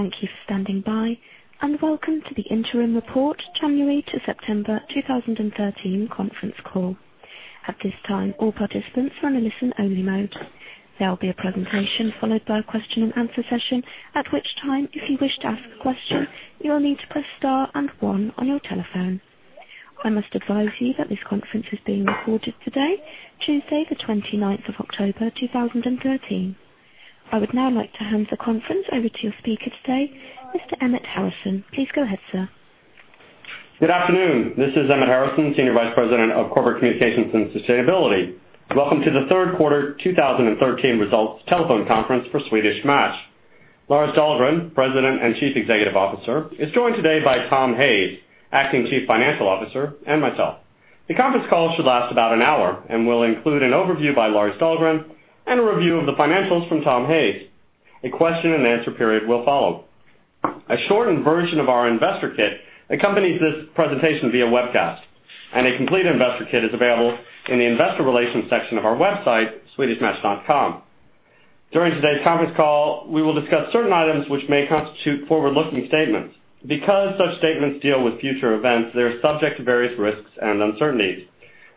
Thank you for standing by, and welcome to the interim report January to September 2013 conference call. At this time, all participants are in a listen-only mode. There will be a presentation followed by a question and answer session, at which time, if you wish to ask a question, you will need to press star and one on your telephone. I must advise you that this conference is being recorded today, Tuesday the 29th of October, 2013. I would now like to hand the conference over to your speaker today, Mr. Emmett Harrison. Please go ahead, sir. Good afternoon. This is Emmett Harrison, Senior Vice President of Corporate Communications and Sustainability. Welcome to the third quarter 2013 results telephone conference for Swedish Match. Lars Dahlgren, President and Chief Executive Officer, is joined today by Tom Hayes, acting Chief Financial Officer, and myself. The conference call should last about an hour and will include an overview by Lars Dahlgren and a review of the financials from Tom Hayes. A question and answer period will follow. A shortened version of our investor kit accompanies this presentation via webcast, and a complete investor kit is available in the investor relations section of our website, swedishmatch.com. During today's conference call, we will discuss certain items which may constitute forward-looking statements. Such statements deal with future events, they are subject to various risks and uncertainties.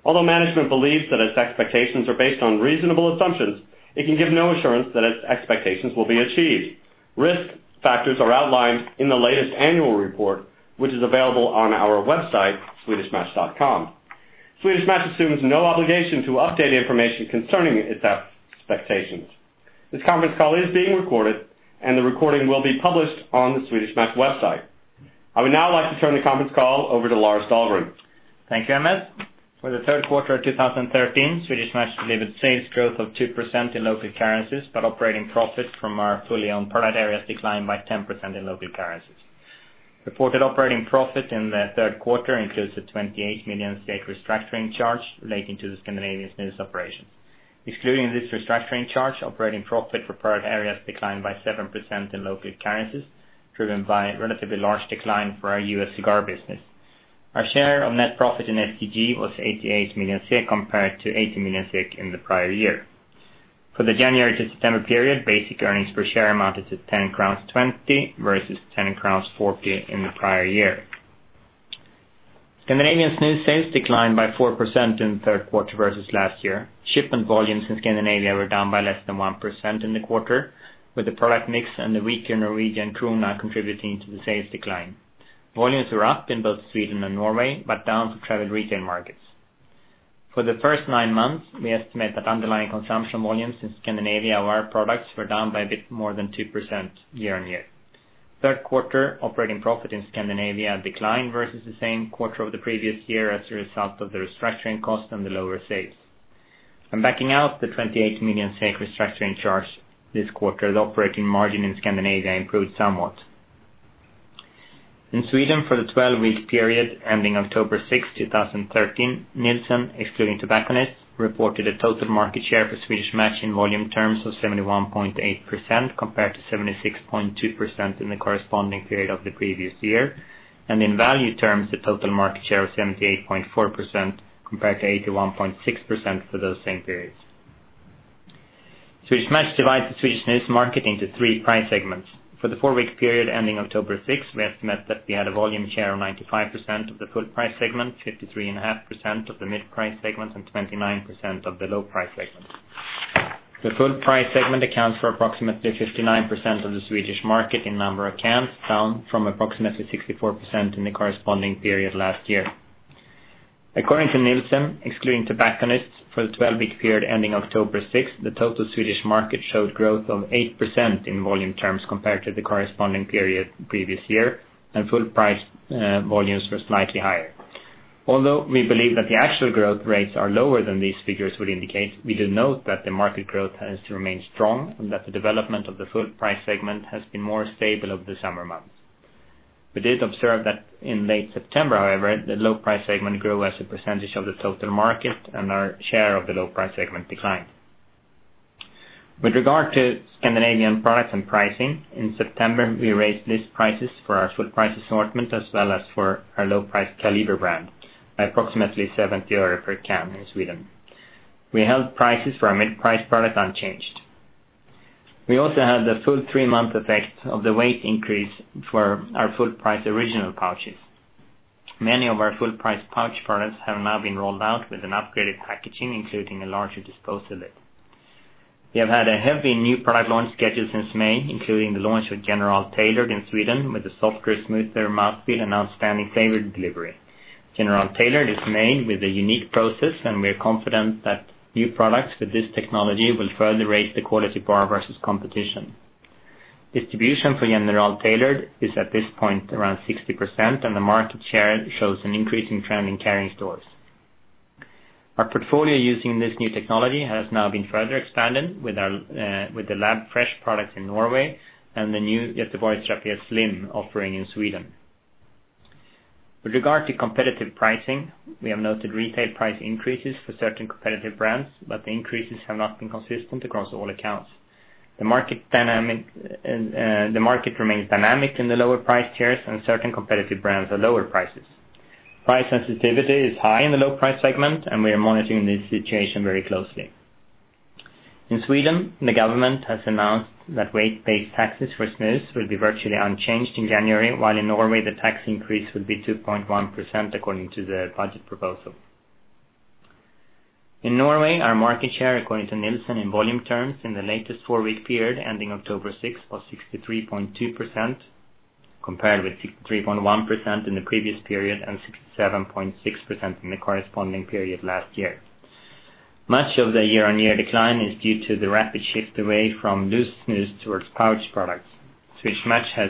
Management believes that its expectations are based on reasonable assumptions, it can give no assurance that its expectations will be achieved. Risk factors are outlined in the latest annual report, which is available on our website, swedishmatch.com. Swedish Match assumes no obligation to update information concerning its expectations. This conference call is being recorded, and the recording will be published on the Swedish Match website. I would now like to turn the conference call over to Lars Dahlgren. Thank you, Emmett. For the third quarter of 2013, Swedish Match delivered sales growth of 2% in local currencies, operating profit from our fully-owned product areas declined by 10% in local currencies. Reported operating profit in the third quarter includes a 28 million restructuring charge relating to the Scandinavian Snus operations. Excluding this restructuring charge, operating profit for product areas declined by 7% in local currencies, driven by a relatively large decline for our U.S. cigar business. Our share of net profit in STG was 88 million, compared to 80 million in the prior year. For the January to September period, basic earnings per share amounted to 10.20 crowns versus 10.40 crowns in the prior year. Scandinavian Snus sales declined by 4% in the third quarter versus last year. Shipment volumes in Scandinavia were down by less than 1% in the quarter, with the product mix and the weaker Norwegian NOK contributing to the sales decline. Volumes were up in both Sweden and Norway, but down for travel retail markets. For the first nine months, we estimate that underlying consumption volumes in Scandinavia of our products were down by a bit more than 2% year-on-year. Third quarter operating profit in Scandinavia declined versus the same quarter of the previous year as a result of the restructuring cost and the lower sales. Backing out the 28 million restructuring charge this quarter, the operating margin in Scandinavia improved somewhat. In Sweden for the 12-week period ending October 6th, 2013, Nielsen, excluding tobacconists, reported a total market share for Swedish Match in volume terms of 71.8%, compared to 76.2% in the corresponding period of the previous year. In value terms, the total market share was 78.4%, compared to 81.6% for those same periods. Swedish Match divides the Swedish Snus market into three price segments. For the four-week period ending October 6th, we estimate that we had a volume share of 95% of the full-price segment, 53.5% of the mid-price segment, and 29% of the low-price segment. The full-price segment accounts for approximately 59% of the Swedish market in number of cans, down from approximately 64% in the corresponding period last year. According to Nielsen, excluding tobacconists, for the 12-week period ending October 6th, the total Swedish market showed growth of 8% in volume terms compared to the corresponding period the previous year, and full-price volumes were slightly higher. Although we believe that the actual growth rates are lower than these figures would indicate, we do note that the market growth has remained strong and that the development of the full-price segment has been more stable over the summer months. We did observe that in late September, however, the low-price segment grew as a percentage of the total market and our share of the low-price segment declined. With regard to Scandinavian products and pricing, in September, we raised list prices for our full-price assortment as well as for our low-price Kaliber brand by approximately 0.70 SEK per can in Sweden. We held prices for our mid-price product unchanged. We also had the full three-month effect of the weight increase for our full-price original pouches. Many of our full-price pouch products have now been rolled out with an upgraded packaging, including a larger disposal lid. We have had a heavy new product launch schedule since May, including the launch of General Tailored in Sweden, with a softer, smoother mouthfeel and outstanding flavor delivery. General Tailored is made with a unique process, and we are confident that new products with this technology will further raise the quality bar versus competition. Distribution for General Tailored is at this point around 60%, and the market share shows an increasing trend in carrying stores. Our portfolio using this new technology has now been further expanded with The Lab Fresh products in Norway and the new Göteborgs Rapé Slim offering in Sweden. With regard to competitive pricing, we have noted retail price increases for certain competitive brands, but the increases have not been consistent across all accounts. The market remains dynamic in the lower price tiers, and certain competitive brands are lower prices. Price sensitivity is high in the low-price segment, and we are monitoring this situation very closely. In Sweden, the government has announced that weight-based taxes for snus will be virtually unchanged in January, while in Norway, the tax increase would be 2.1% according to the budget proposal. In Norway, our market share, according to Nielsen in volume terms in the latest four-week period ending October 6th, was 63.2%, compared with 63.1% in the previous period and 67.6% in the corresponding period last year. Much of the year-on-year decline is due to the rapid shift away from loose snus towards pouch products. Swedish Match has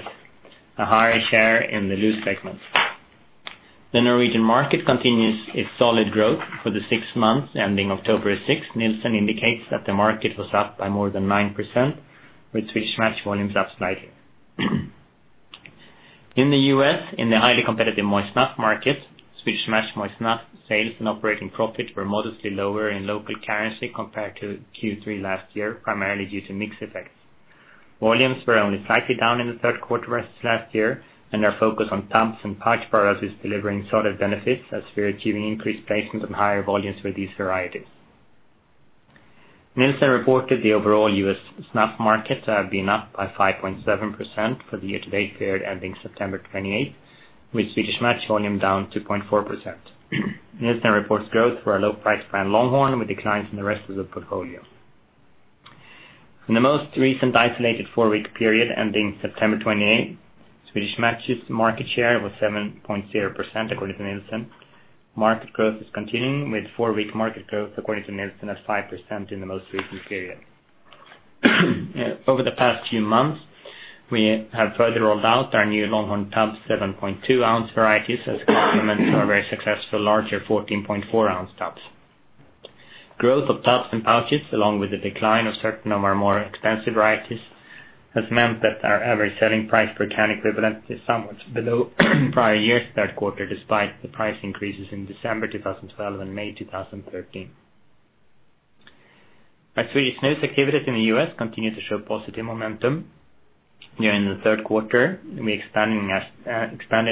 a higher share in the loose segment. The Norwegian market continues its solid growth for the six months ending October 6th. Nielsen indicates that the market was up by more than 9%, with Swedish Match volumes up slightly. In the U.S., in the highly competitive moist snuff market, Swedish Match moist snuff sales and operating profit were modestly lower in local currency compared to Q3 last year, primarily due to mix effects. Volumes were only slightly down in the third quarter versus last year, and our focus on tubs and pouch products is delivering solid benefits as we are achieving increased placements and higher volumes for these varieties. Nielsen reported the overall U.S. snuff market to have been up by 5.7% for the year-to-date period ending September 28th, with Swedish Match volume down 2.4%. Nielsen reports growth for our low-price brand Longhorn, with declines in the rest of the portfolio. In the most recent isolated four-week period ending September 28th, Swedish Match's market share was 7.0%, according to Nielsen. Market growth is continuing, with four-week market growth, according to Nielsen, at 5% in the most recent period. Over the past few months, we have further rolled out our new Longhorn tubs 7.2-ounce varieties as complements to our very successful larger 14.4-ounce tubs. Growth of tubs and pouches, along with the decline of certain of our more expensive varieties, has meant that our average selling price per can equivalent is somewhat below prior year's third quarter, despite the price increases in December 2012 and May 2013. Our Swedish Snus activities in the U.S. continue to show positive momentum. During the third quarter, we expanded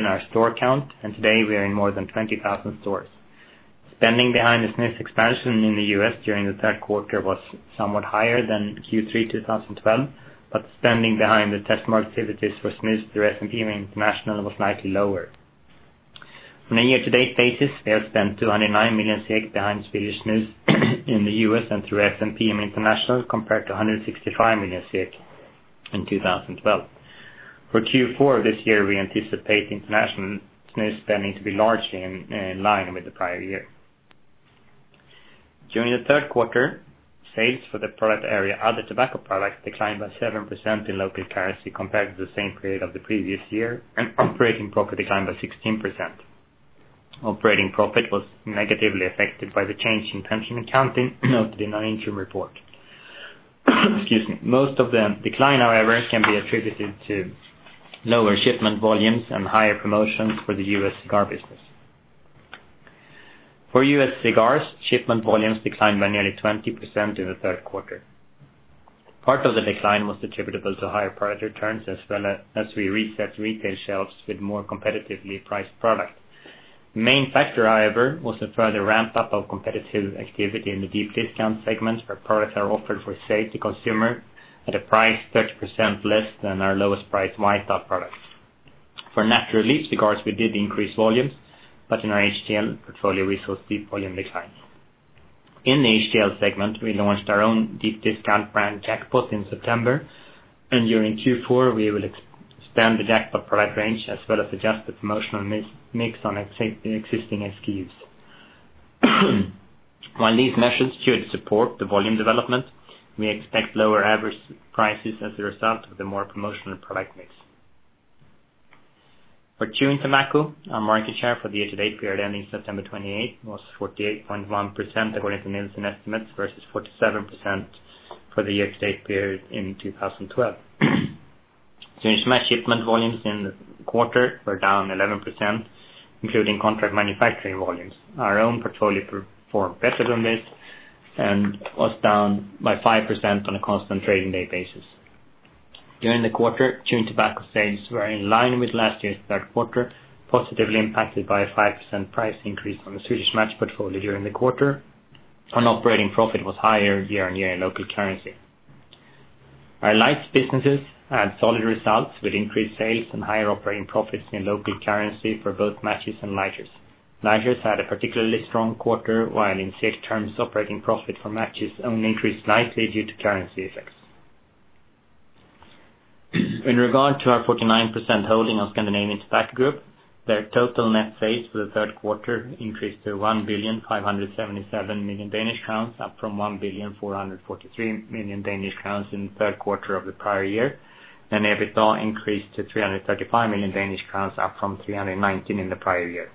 our store count, and today we are in more than 20,000 stores. Spending behind the Snus expansion in the U.S. during the third quarter was somewhat higher than Q3 2012, but spending behind the test market activities for Snus through SMPM International was slightly lower. On a year-to-date basis, we have spent 209 million SEK behind Swedish Snus in the U.S. and through SMPM International compared to 165 million SEK in 2012. For Q4 this year, we anticipate international Snus spending to be largely in line with the prior year. During the third quarter, sales for the product area other tobacco products declined by 7% in local currency compared to the same period of the previous year, and operating profit declined by 16%. Operating profit was negatively affected by the change in pension accounting noted in our interim report. Excuse me. Most of the decline, however, can be attributed to lower shipment volumes and higher promotions for the U.S. cigar business. For U.S. cigars, shipment volumes declined by nearly 20% in the third quarter. Part of the decline was attributable to higher product returns as we reset retail shelves with more competitively priced product. The main factor, however, was a further ramp-up of competitive activity in the deep discount segments where products are offered for sale to consumer at a price 30% less than our lowest priced White Owl products. For natural leaf cigars, we did increase volumes, but in our HTL portfolio, we saw steep volume declines. In the HTL segment, we launched our own deep discount brand Jackpot in September, and during Q4, we will expand the Jackpot product range as well as adjust the promotional mix on existing SKUs. While these measures should support the volume development, we expect lower average prices as a result of the more promotional product mix. For chewing tobacco, our market share for the year-to-date period ending September 28th was 48.1%, according to Nielsen estimates, versus 47% for the year-to-date period in 2012. Swedish Match shipment volumes in the quarter were down 11%, including contract manufacturing volumes. Our own portfolio performed better than this and was down by 5% on a constant trading day basis. During the quarter, chewing tobacco sales were in line with last year's third quarter, positively impacted by a 5% price increase on the Swedish Match portfolio during the quarter. Operating profit was higher year-on-year in local currency. Our lights businesses had solid results with increased sales and higher operating profits in local currency for both matches and lighters. Lighters had a particularly strong quarter, while in SEK terms, operating profit for matches only increased slightly due to currency effects. In regard to our 49% holding of Scandinavian Tobacco Group, their total net sales for the third quarter increased to 1,577,000,000 Danish crowns, up from 1,443,000,000 Danish crowns in the third quarter of the prior year. EBITDA increased to 335 million Danish crowns, up from 319 million in the prior year.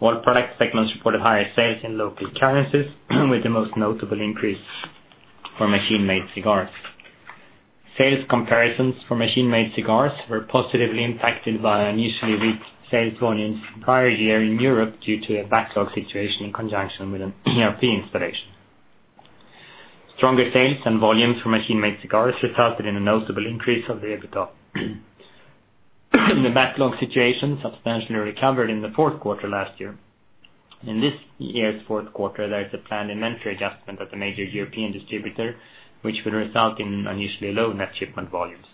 All product segments reported higher sales in local currencies with the most notable increase for machine-made cigars. Sales comparisons for machine-made cigars were positively impacted by unusually weak sales volumes the prior year in Europe due to a backlog situation in conjunction with an ERP installation. Stronger sales and volumes for machine-made cigars resulted in a notable increase of the EBITDA. The backlog situation substantially recovered in the fourth quarter last year. In this year's fourth quarter, there is a planned inventory adjustment at a major European distributor, which will result in unusually low net shipment volumes.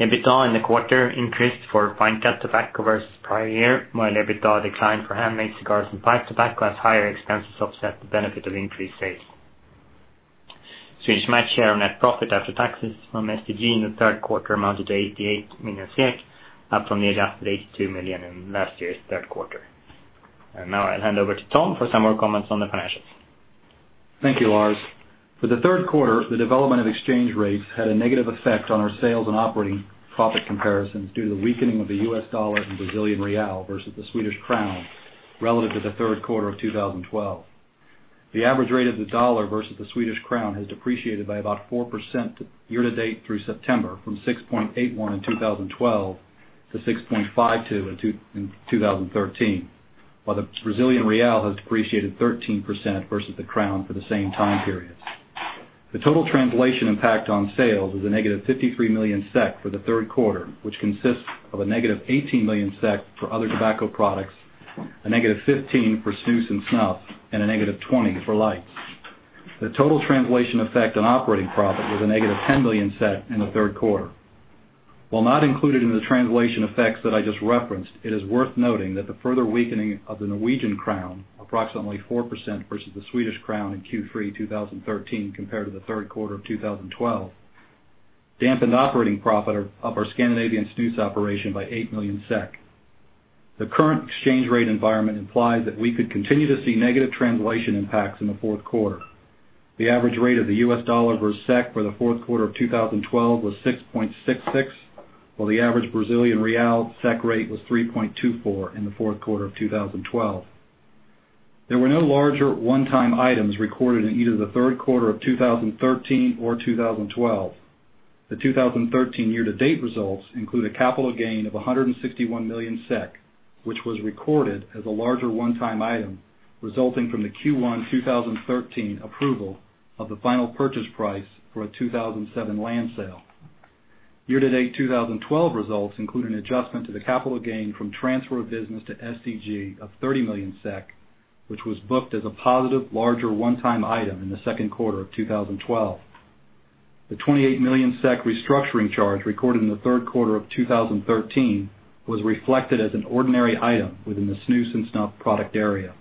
EBITDA in the quarter increased for fine cut tobacco versus prior year, while EBITDA declined for handmade cigars and pipe tobacco as higher expenses offset the benefit of increased sales. Swedish Match share our net profit after taxes from STG in the third quarter amounted to 88 million SEK, up from the adjusted 82 million in last year's third quarter. Now I'll hand over to Tom for some more comments on the financials. Thank you, Lars. For the third quarter, the development of exchange rates had a negative effect on our sales and operating profit comparisons due to the weakening of the US dollar and Brazilian real versus the Swedish crown relative to the third quarter of 2012. The average rate of the dollar versus the Swedish crown has depreciated by about 4% year-to-date through September, from 6.81 in 2012 to 6.52 in 2013, while the Brazilian real has depreciated 13% versus the crown for the same time period. The total translation impact on sales was a negative 53 million SEK for the third quarter, which consists of a negative 18 million SEK for other tobacco products, a negative 15 million for snus and snuff, and a negative 20 million for lights. The total translation effect on operating profit was a negative 10 million SEK in the third quarter. While not included in the translation effects that I just referenced, it is worth noting that the further weakening of the Norwegian crown, approximately 4% versus the Swedish crown in Q3 2013 compared to the third quarter of 2012, dampened operating profit of our Scandinavian snus operation by 8 million SEK. The current exchange rate environment implies that we could continue to see negative translation impacts in the fourth quarter. The average rate of the US dollar versus SEK for the fourth quarter of 2012 was 6.66, while the average Brazilian real SEK rate was 3.24 in the fourth quarter of 2012. There were no larger one-time items recorded in either the third quarter of 2013 or 2012. The 2013 year-to-date results include a capital gain of 161 million SEK, which was recorded as a larger one-time item resulting from the Q1 2013 approval of the final purchase price for a 2007 land sale. Year-to-date 2012 results include an adjustment to the capital gain from transfer of business to STG of 30 million SEK, which was booked as a positive larger one-time item in the second quarter of 2012. The 28 million SEK restructuring charge recorded in the third quarter of 2013 was reflected as an ordinary item within the snus and snuff product area.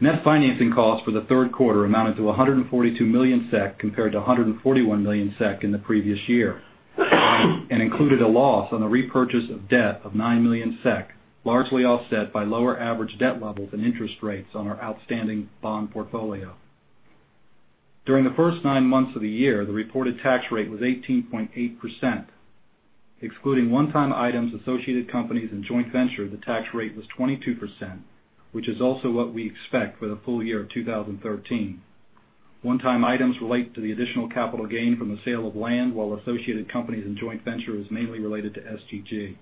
Net financing costs for the third quarter amounted to 142 million SEK, compared to 141 million SEK in the previous year, and included a loss on the repurchase of debt of 9 million SEK, largely offset by lower average debt levels and interest rates on our outstanding bond portfolio. During the first nine months of the year, the reported tax rate was 18.8%. Excluding one-time items, associated companies, and joint ventures, the tax rate was 22%, which is also what we expect for the full year of 2013. One-time items relate to the additional capital gain from the sale of land, while associated companies and joint ventures mainly related to STG.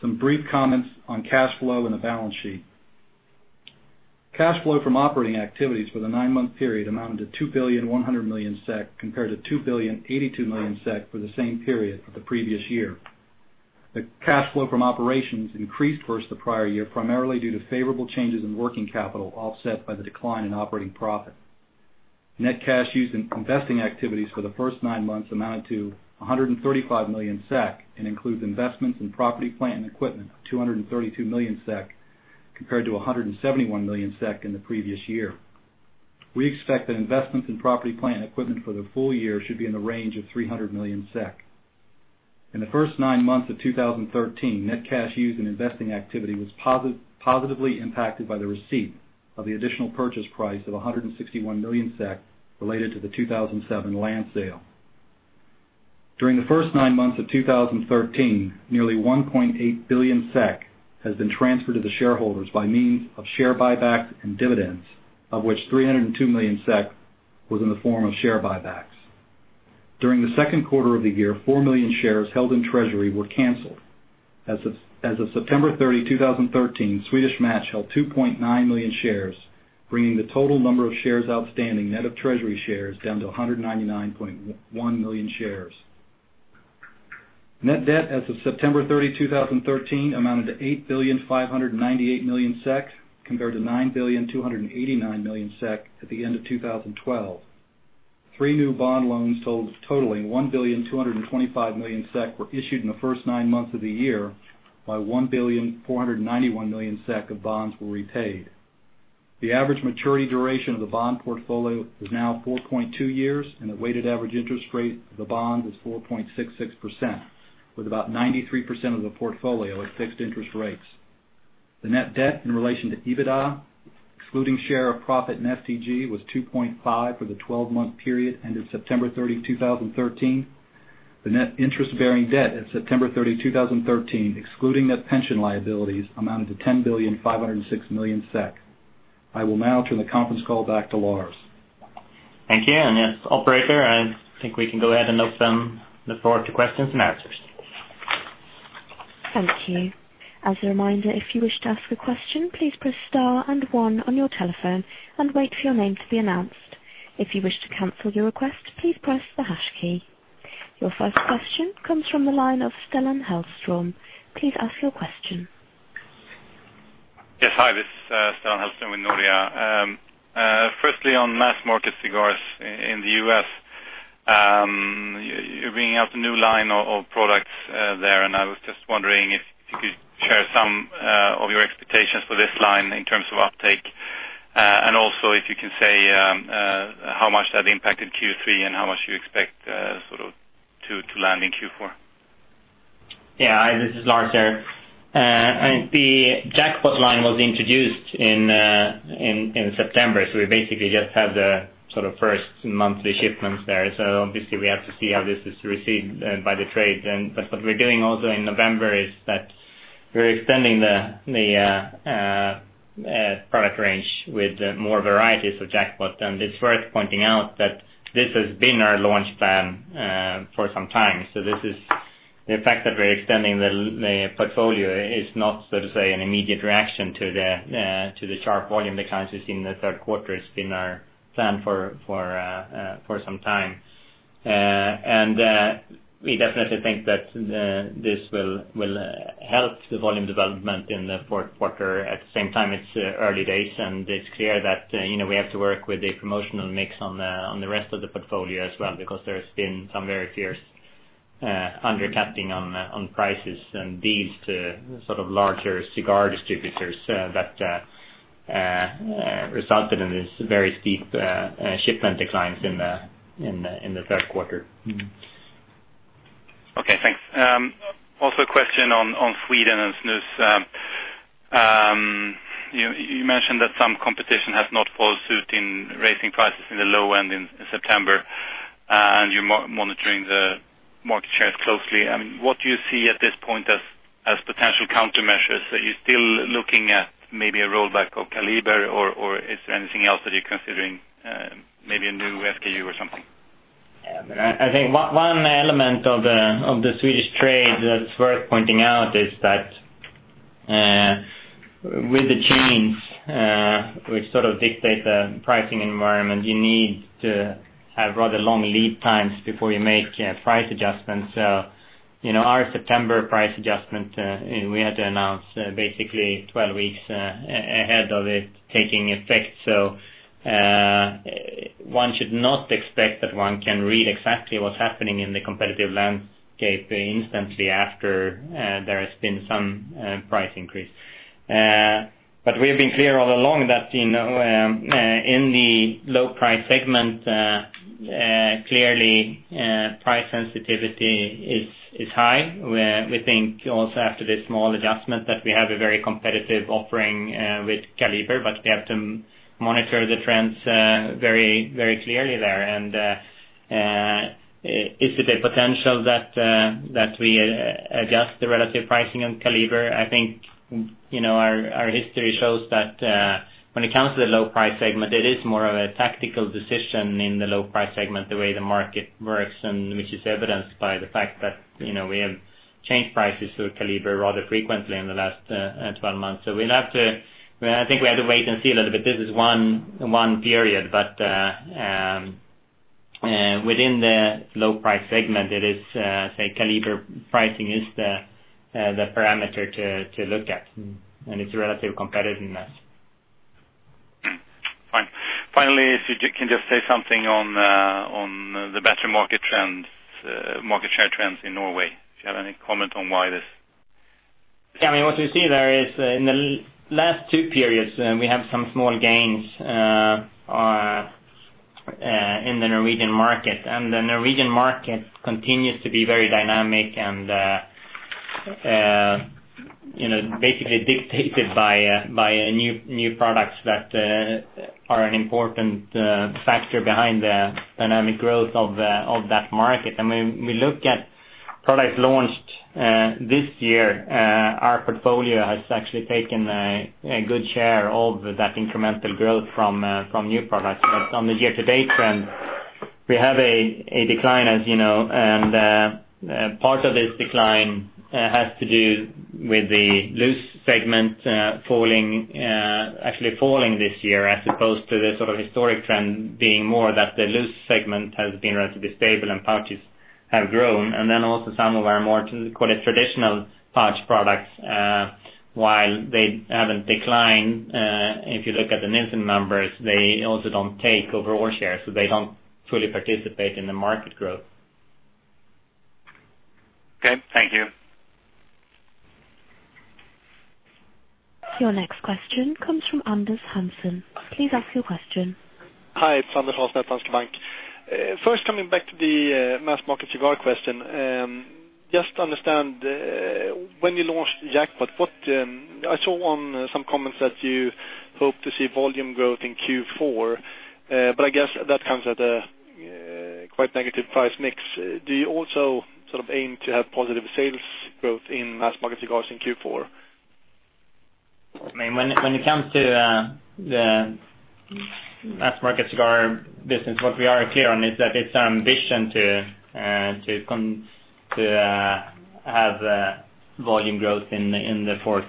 Some brief comments on cash flow and the balance sheet. Cash flow from operating activities for the nine-month period amounted to 2,100 million SEK, compared to 2,082 million SEK for the same period for the previous year. The cash flow from operations increased versus the prior year, primarily due to favorable changes in working capital, offset by the decline in operating profit. Net cash used in investing activities for the first nine months amounted to 135 million SEK and includes investments in property, plant, and equipment of 232 million SEK, compared to 171 million SEK in the previous year. We expect that investments in property, plant, and equipment for the full year should be in the range of 300 million SEK. In the first nine months of 2013, net cash used in investing activity was positively impacted by the receipt of the additional purchase price of 161 million SEK related to the 2007 land sale. During the first nine months of 2013, nearly 1.8 billion SEK has been transferred to the shareholders by means of share buybacks and dividends, of which 302 million SEK was in the form of share buybacks. During the second quarter of the year, 4 million shares held in treasury were canceled. As of September 30, 2013, Swedish Match held 2.9 million shares, bringing the total number of shares outstanding, net of treasury shares, down to 199.1 million shares. Net debt as of September 30, 2013, amounted to 8.598 billion SEK, compared to 9.289 billion SEK at the end of 2012. 3 new bond loans totaling 1.225 billion SEK were issued in the first nine months of the year, while 1.491 billion SEK of bonds were repaid. The average maturity duration of the bond portfolio is now 4.2 years, and the weighted average interest rate of the bond is 4.66%, with about 93% of the portfolio at fixed interest rates. The net debt in relation to EBITDA, excluding share of profit in STG, was 2.5 for the 12-month period ended September 30, 2013. The net interest-bearing debt at September 30, 2013, excluding net pension liabilities, amounted to 10.506 billion SEK. I will now turn the conference call back to Lars. Thank you. Yes, operator, I think we can go ahead and open the floor to questions and answers. Thank you. As a reminder, if you wish to ask a question, please press star and one on your telephone and wait for your name to be announced. If you wish to cancel your request, please press the hash key. Your first question comes from the line of Stellan Hellström. Please ask your question. Yes. Hi, this is Stellan Hellström with Nordea. Firstly, on mass market cigars in the U.S. You're bringing out a new line of products there, and I was just wondering if you could share some of your expectations for this line in terms of uptake, and also if you can say how much that impacted Q3 and how much you expect to land in Q4. Yeah. Hi, this is Lars here. The Jackpot line was introduced in September. We basically just have the first monthly shipments there. Obviously we have to see how this is received by the trade. That's what we're doing also in November, is that we're extending the product range with more varieties of Jackpot. It's worth pointing out that this has been our launch plan for some time. The fact that we're extending the portfolio is not, so to say, an immediate reaction to the sharp volume declines we've seen in the third quarter. It's been our plan for some time. We definitely think that this will help the volume development in the fourth quarter. At the same time, it's early days and it's clear that we have to work with a promotional mix on the rest of the portfolio as well, because there's been some very fierce under-cutting on prices and deals to larger cigar distributors that resulted in these very steep shipment declines in the third quarter. Okay, thanks. Also a question on Sweden and Snus. You mentioned that some competition has not followed suit in raising prices in the low end in September, and you're monitoring the market shares closely. What do you see at this point as potential countermeasures? Are you still looking at maybe a rollback of Kaliber, or is there anything else that you're considering? Maybe a new SKU or something? Yeah. I think one element of the Swedish trade that's worth pointing out is that with the chains, which sort of dictate the pricing environment, you need to have rather long lead times before you make price adjustments. Our September price adjustment, we had to announce basically 12 weeks ahead of it taking effect. One should not expect that one can read exactly what's happening in the competitive landscape instantly after there has been some price increase. We've been clear all along that in the low price segment, clearly, price sensitivity is high. We think also after this small adjustment that we have a very competitive offering with Kaliber, but we have to monitor the trends very clearly there. Is it a potential that we adjust the relative pricing on Kaliber? I think our history shows that when it comes to the low price segment, it is more of a tactical decision in the low price segment, the way the market works, and which is evidenced by the fact that we have changed prices for Kaliber rather frequently in the last 12 months. I think we have to wait and see a little bit. This is one period, but within the low price segment, Kaliber pricing is the parameter to look at and its relative competitiveness. Fine. Finally, if you can just say something on the better market share trends in Norway. Do you have any comment on why this? Yeah. What we see there is in the last two periods, we have some small gains in the Norwegian market. The Norwegian market continues to be very dynamic and basically dictated by new products that are one important factor behind the dynamic growth of that market. When we look at products launched this year, our portfolio has actually taken a good share of that incremental growth from new products. On the year-to-date trend, we have a decline, as you know, and part of this decline has to do with the loose segment actually falling this year as opposed to the sort of historic trend being more that the loose segment has been relatively stable and pouches have grown. Also some of our more, call it traditional pouch products, while they haven't declined, if you look at the Nielsen numbers, they also don't take overall share, so they don't fully participate in the market growth. Okay, thank you. Your next question comes from Anders Hansen. Please ask your question. Hi, it's Anders Hansen, Swedbank. First, coming back to the mass market cigar question. Just to understand, when you launched Jackpot, I saw on some comments that you hope to see volume growth in Q4, I guess that comes at a quite negative price mix. Do you also sort of aim to have positive sales growth in mass market cigars in Q4? When it comes to the mass market cigar business, what we are clear on is that it's our ambition to have volume growth in the fourth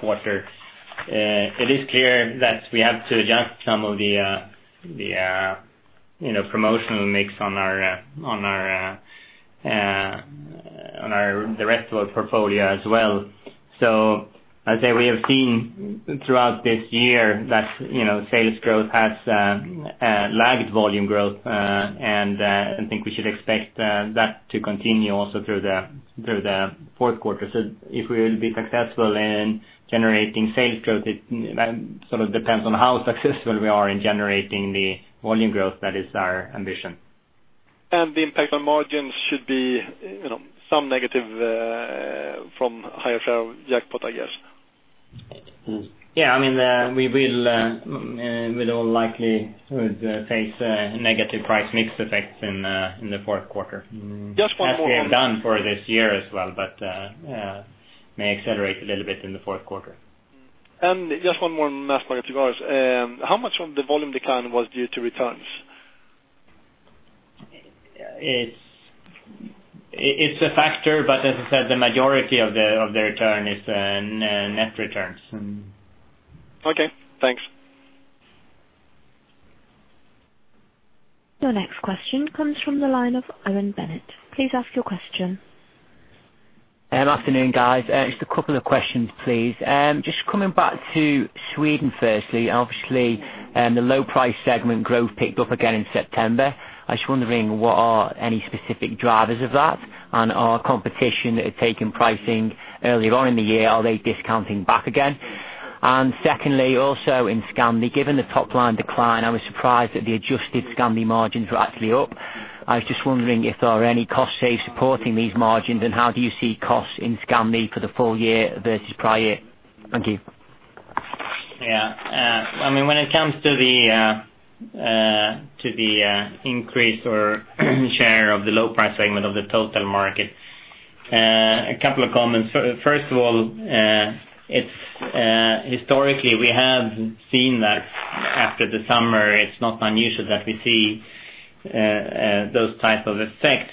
quarter. It is clear that we have to adjust some of the promotional mix on the rest of our portfolio as well. I'd say we have seen throughout this year that sales growth has lagged volume growth, I think we should expect that to continue also through the fourth quarter. If we will be successful in generating sales growth, it sort of depends on how successful we are in generating the volume growth that is our ambition. The impact on margins should be some negative from higher Jackpot, I guess. Yeah. We will likely face negative price mix effects in the fourth quarter. Just one more. As we have done for this year as well, but may accelerate a little bit in the fourth quarter. Just one more on mass market cigars. How much of the volume decline was due to returns? It's a factor, but as I said, the majority of the return is net returns. Okay, thanks. Your next question comes from the line of Owen Bennett. Please ask your question. Afternoon, guys. Just a couple of questions, please. Just coming back to Sweden, firstly. Obviously, the low price segment growth picked up again in September. I was just wondering, what are any specific drivers of that? Our competition that had taken pricing earlier on in the year, are they discounting back again? Secondly, also in Scandi, given the top line decline, I was surprised that the adjusted Scandi margins were actually up. I was just wondering if there are any cost saves supporting these margins, and how do you see costs in Scandi for the full year versus prior year? Thank you. Yeah. When it comes to the increase or share of the low price segment of the total market, a couple of comments. First of all, historically, we have seen that after the summer, it's not unusual that we see those type of effects.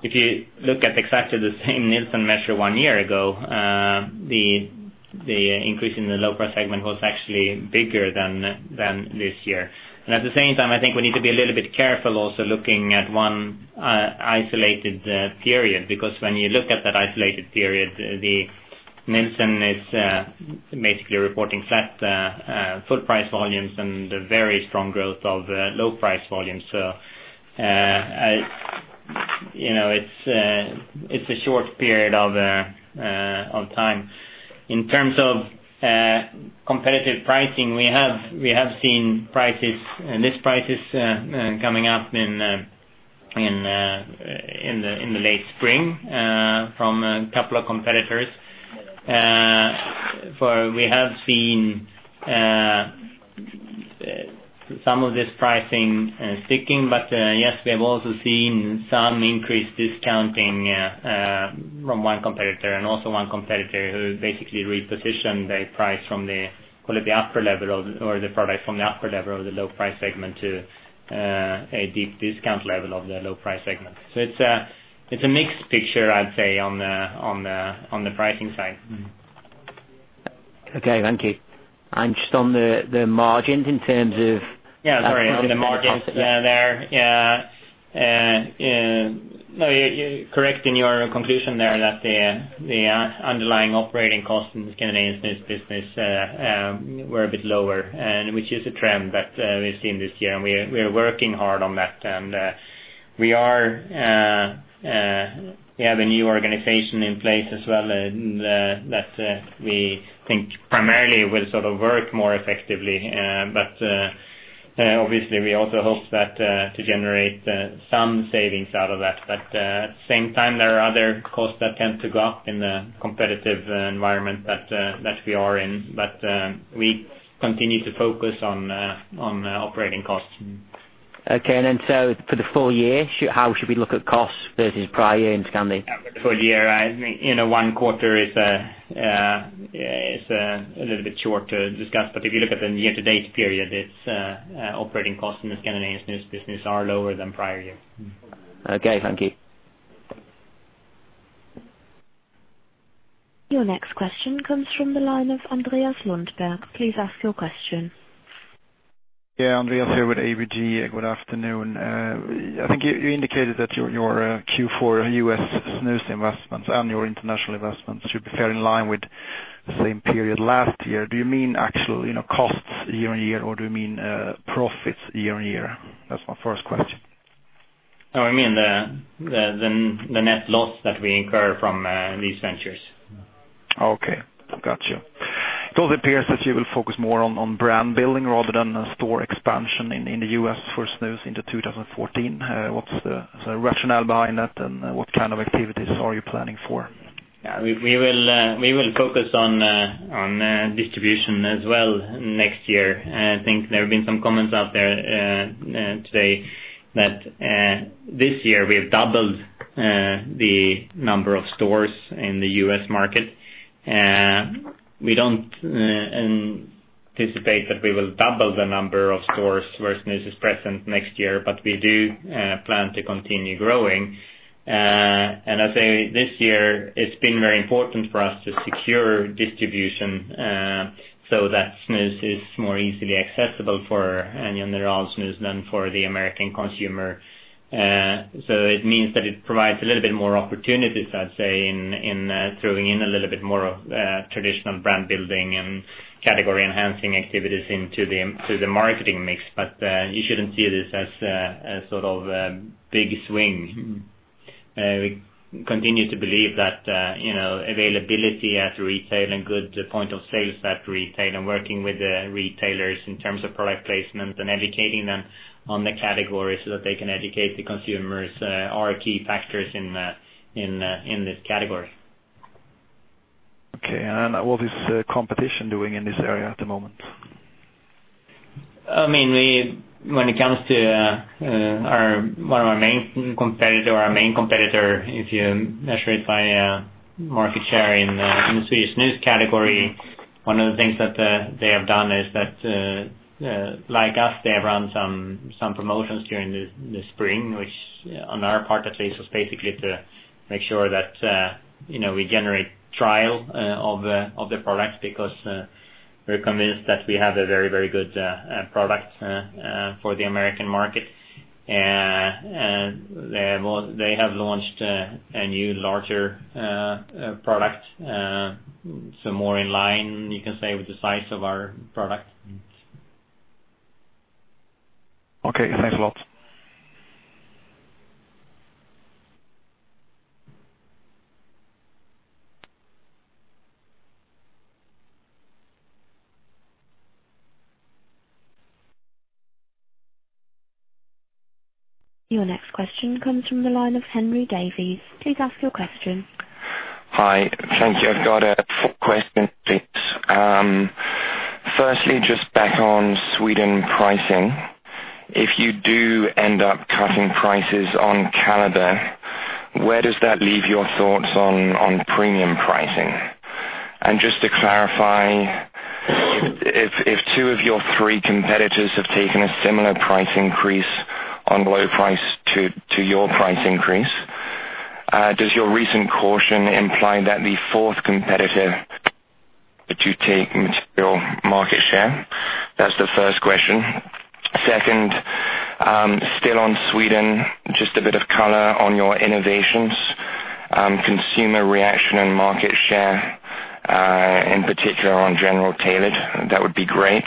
If you look at exactly the same Nielsen measure one year ago, the increase in the low price segment was actually bigger than this year. At the same time, I think we need to be a little bit careful also looking at one isolated period. When you look at that isolated period, the Nielsen is basically reporting flat full price volumes and a very strong growth of low price volumes. It's a short period of time. In terms of competitive pricing, we have seen list prices coming up in the late spring from a couple of competitors. We have seen some of this pricing sticking. Yes, we have also seen some increased discounting from one competitor and also one competitor who basically repositioned the price from the, call it the upper level, or the product from the upper level of the low price segment to a deep discount level of the low price segment. It's a mixed picture, I'd say, on the pricing side. Okay, thank you. Just on the margins. Yeah, sorry. On the margins there. You're correct in your conclusion there that the underlying operating costs in the Scandinavian Snus business were a bit lower, which is a trend that we've seen this year, and we are working hard on that. We have a new organization in place as well that we think primarily will sort of work more effectively. Obviously, we also hope to generate some savings out of that. At the same time, there are other costs that tend to go up in the competitive environment that we are in. We continue to focus on operating costs. Okay. For the full year, how should we look at costs versus prior year in Scandi? For the full year, one quarter is a little bit short to discuss, but if you look at the year-to-date period, its operating costs in the Scandinavian Snus business are lower than prior year. Okay, thank you. Your next question comes from the line of Andreas Lundberg. Please ask your question. Yeah, Andreas here with ABG. Good afternoon. I think you indicated that your Q4 U.S. Snus investments and your international investments should be fair in line with the same period last year. Do you mean actual costs year-on-year, or do you mean profits year-on-year? That's my first question. No, I mean the net loss that we incur from these ventures. Okay, got you. It appears that you will focus more on brand building rather than store expansion in the U.S. for Snus into 2014. What's the rationale behind that, and what kind of activities are you planning for? We will focus on distribution as well next year. I think there have been some comments out there today that this year we have doubled the number of stores in the U.S. market. We don't anticipate that we will double the number of stores where Snus is present next year, but we do plan to continue growing. I say this year it's been very important for us to secure distribution so that Snus is more easily accessible for any other Snus than for the American consumer. It means that it provides a little bit more opportunities, I'd say, in throwing in a little bit more of traditional brand building and category enhancing activities into the marketing mix. You shouldn't see this as a sort of big swing. We continue to believe that availability at retail and good point of sales at retail and working with the retailers in terms of product placement and educating them on the category so that they can educate the consumers are key factors in this category. Okay. What is competition doing in this area at the moment? When it comes to our main competitor, if you measure it by market share in the Swedish Snus category, one of the things that they have done is that like us, they have run some promotions during the spring, which on our part at least was basically to make sure that we generate trial of the products because we're convinced that we have a very good product for the American market. They have launched a new larger product, so more in line, you can say, with the size of our product. Okay, thanks a lot. Your next question comes from the line of Henry Davies. Please ask your question. Hi. Thank you. I've got a few questions, please. Firstly, back on Sweden pricing. If you do end up cutting prices on Kaliber, where does that leave your thoughts on premium pricing? Just to clarify, if two of your three competitors have taken a similar price increase on low price to your price increase, does your recent caution imply that the fourth competitor that you take material market share? That's the first question. Second, still on Sweden, a bit of color on your innovations, consumer reaction and market share, in particular on General Tailored. That would be great.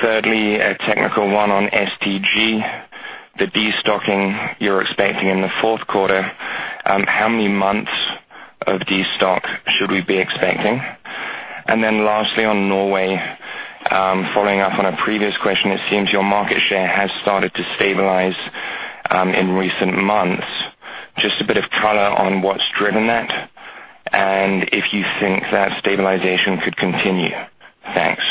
Thirdly, a technical one on STG. The destocking you're expecting in the fourth quarter, how many months of destock should we be expecting? Lastly, on Norway, following up on a previous question, it seems your market share has started to stabilize in recent months. A bit of color on what's driven that, and if you think that stabilization could continue. Thanks.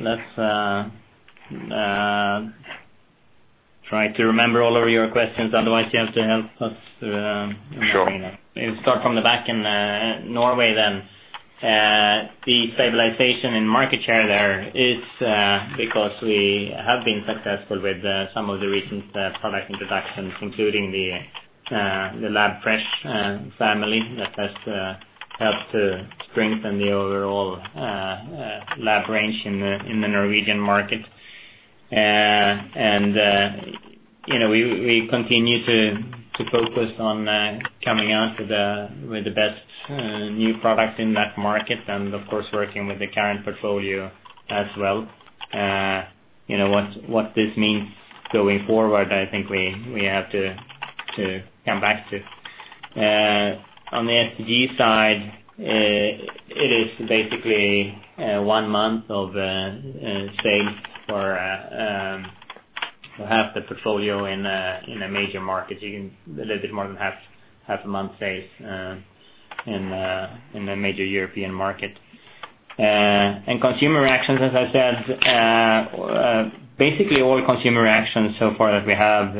Let's try to remember all of your questions, otherwise you have to help us- Sure on that. We'll start from the back in Norway. The stabilization in market share there is because we have been successful with some of the recent product introductions, including The Lab Fresh family that has helped to strengthen the overall The Lab range in the Norwegian market. We continue to focus on coming out with the best new product in that market and of course, working with the current portfolio as well. What this means going forward, I think we have to come back to. On the STG side, it is basically one month of sales for half the portfolio in a major market, a little bit more than half a month sales in the major European market. Consumer actions, as I said, basically all consumer actions so far that we have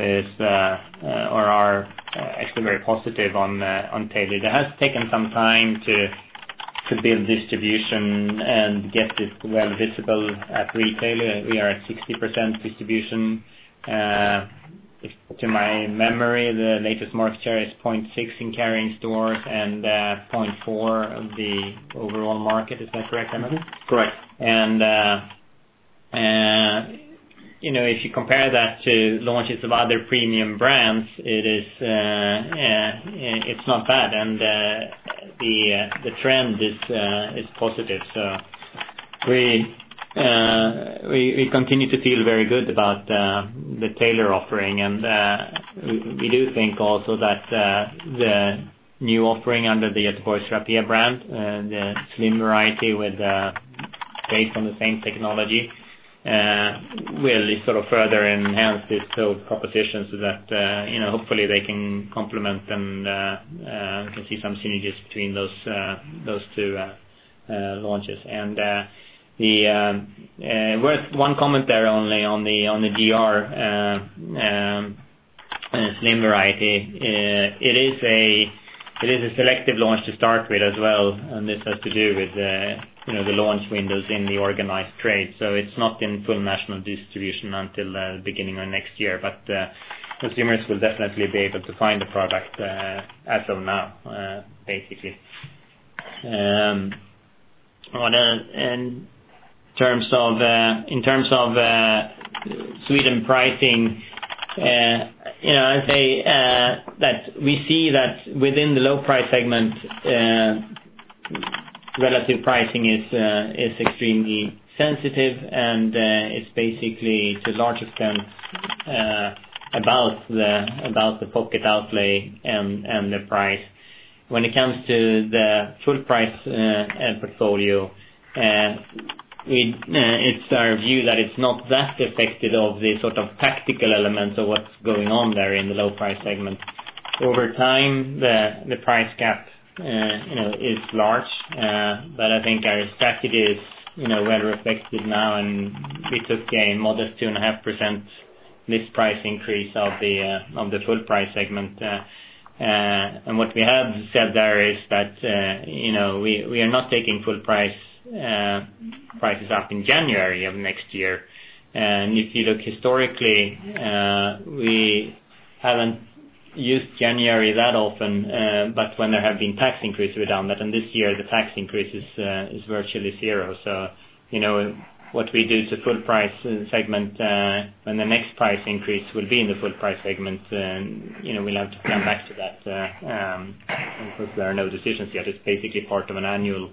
are actually very positive on Tailored. It has taken some time to build distribution and get it well visible at retail. We are at 60% distribution. To my memory, the latest market share is 0.6 in carrying stores and 0.4 of the overall market. Is that correct, Emmett? Correct. If you compare that to launches of other premium brands, it's not bad and the trend is positive. We continue to feel very good about the Tailored offering, and we do think also that the new offering under the Göteborgs Rapé brand, the Slim variety based on the same technology, will sort of further enhance this whole proposition so that hopefully they can complement and we can see some synergies between those two launches. One comment there only on the GR. Slim variety. It is a selective launch to start with as well, and this has to do with the launch windows in the organized trade. It's not in full national distribution until the beginning of next year. Consumers will definitely be able to find the product as of now, basically. In terms of Sweden pricing, I'd say that we see that within the low price segment, relative pricing is extremely sensitive and it's basically to a large extent about the pocket outlay and the price. When it comes to the full price portfolio, it's our view that it's not that affected of the sort of tactical elements of what's going on there in the low price segment. Over time, the price gap is large, but I think our strategy is well reflected now, and we took a modest 2.5% list price increase of the full price segment. What we have said there is that we are not taking full prices up in January of next year. If you look historically, we haven't used January that often, but when there have been tax increases, we've done that. This year, the tax increase is virtually zero. What we do to full price segment, when the next price increase will be in the full price segment, we'll have to come back to that. Of course, there are no decisions yet. It's basically part of an annual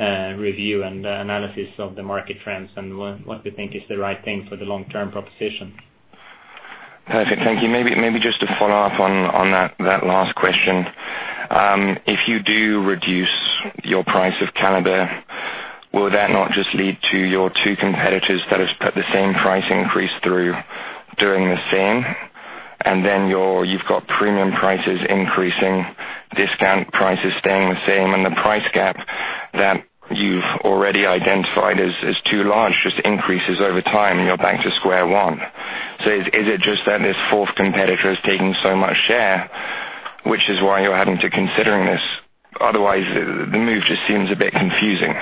review and analysis of the market trends and what we think is the right thing for the long-term proposition. Perfect. Thank you. Maybe just to follow up on that last question. If you do reduce your price of Kaliber, will that not just lead to your two competitors that have put the same price increase through doing the same? Then you've got premium prices increasing, discount prices staying the same. The price gap that you've already identified as too large just increases over time. You're back to square one. Is it just that this fourth competitor is taking so much share, which is why you're having to considering this? Otherwise, the move just seems a bit confusing.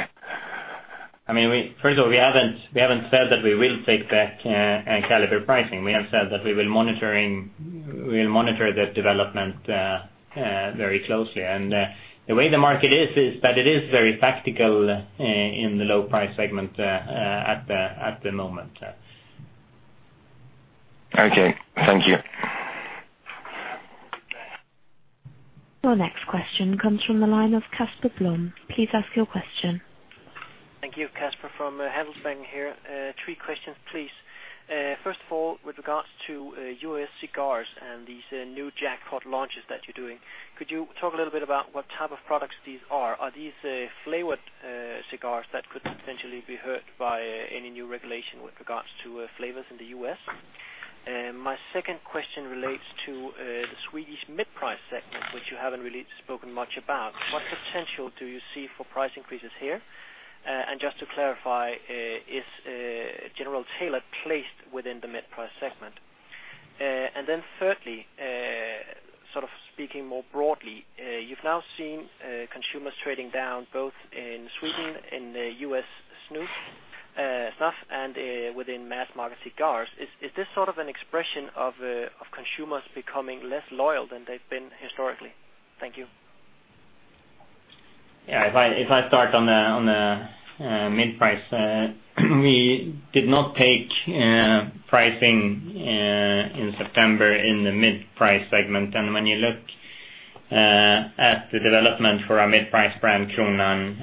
First of all, we haven't said that we will take back Kaliber pricing. We have said that we will monitor the development very closely. The way the market is that it is very tactical in the low price segment at the moment. Okay. Thank you. Your next question comes from the line of Casper Bloom. Please ask your question. Thank you. Casper from Handelsbanken here. Three questions, please. First of all, with regards to U.S. cigars and these new Jackpot launches that you're doing, could you talk a little bit about what type of products these are? Are these flavored cigars that could potentially be hurt by any new regulation with regards to flavors in the U.S.? My second question relates to the Swedish mid-price segment, which you haven't really spoken much about. What potential do you see for price increases here? Just to clarify, is General Tailored placed within the mid-price segment? Then thirdly, sort of speaking more broadly, you've now seen consumers trading down both in Sweden, in the U.S. snus, snuff, and within mass market cigars. Is this sort of an expression of consumers becoming less loyal than they've been historically? Thank you. If I start on the mid-price. We did not take pricing in September in the mid-price segment. When you look at the development for our mid-price brand Kronan,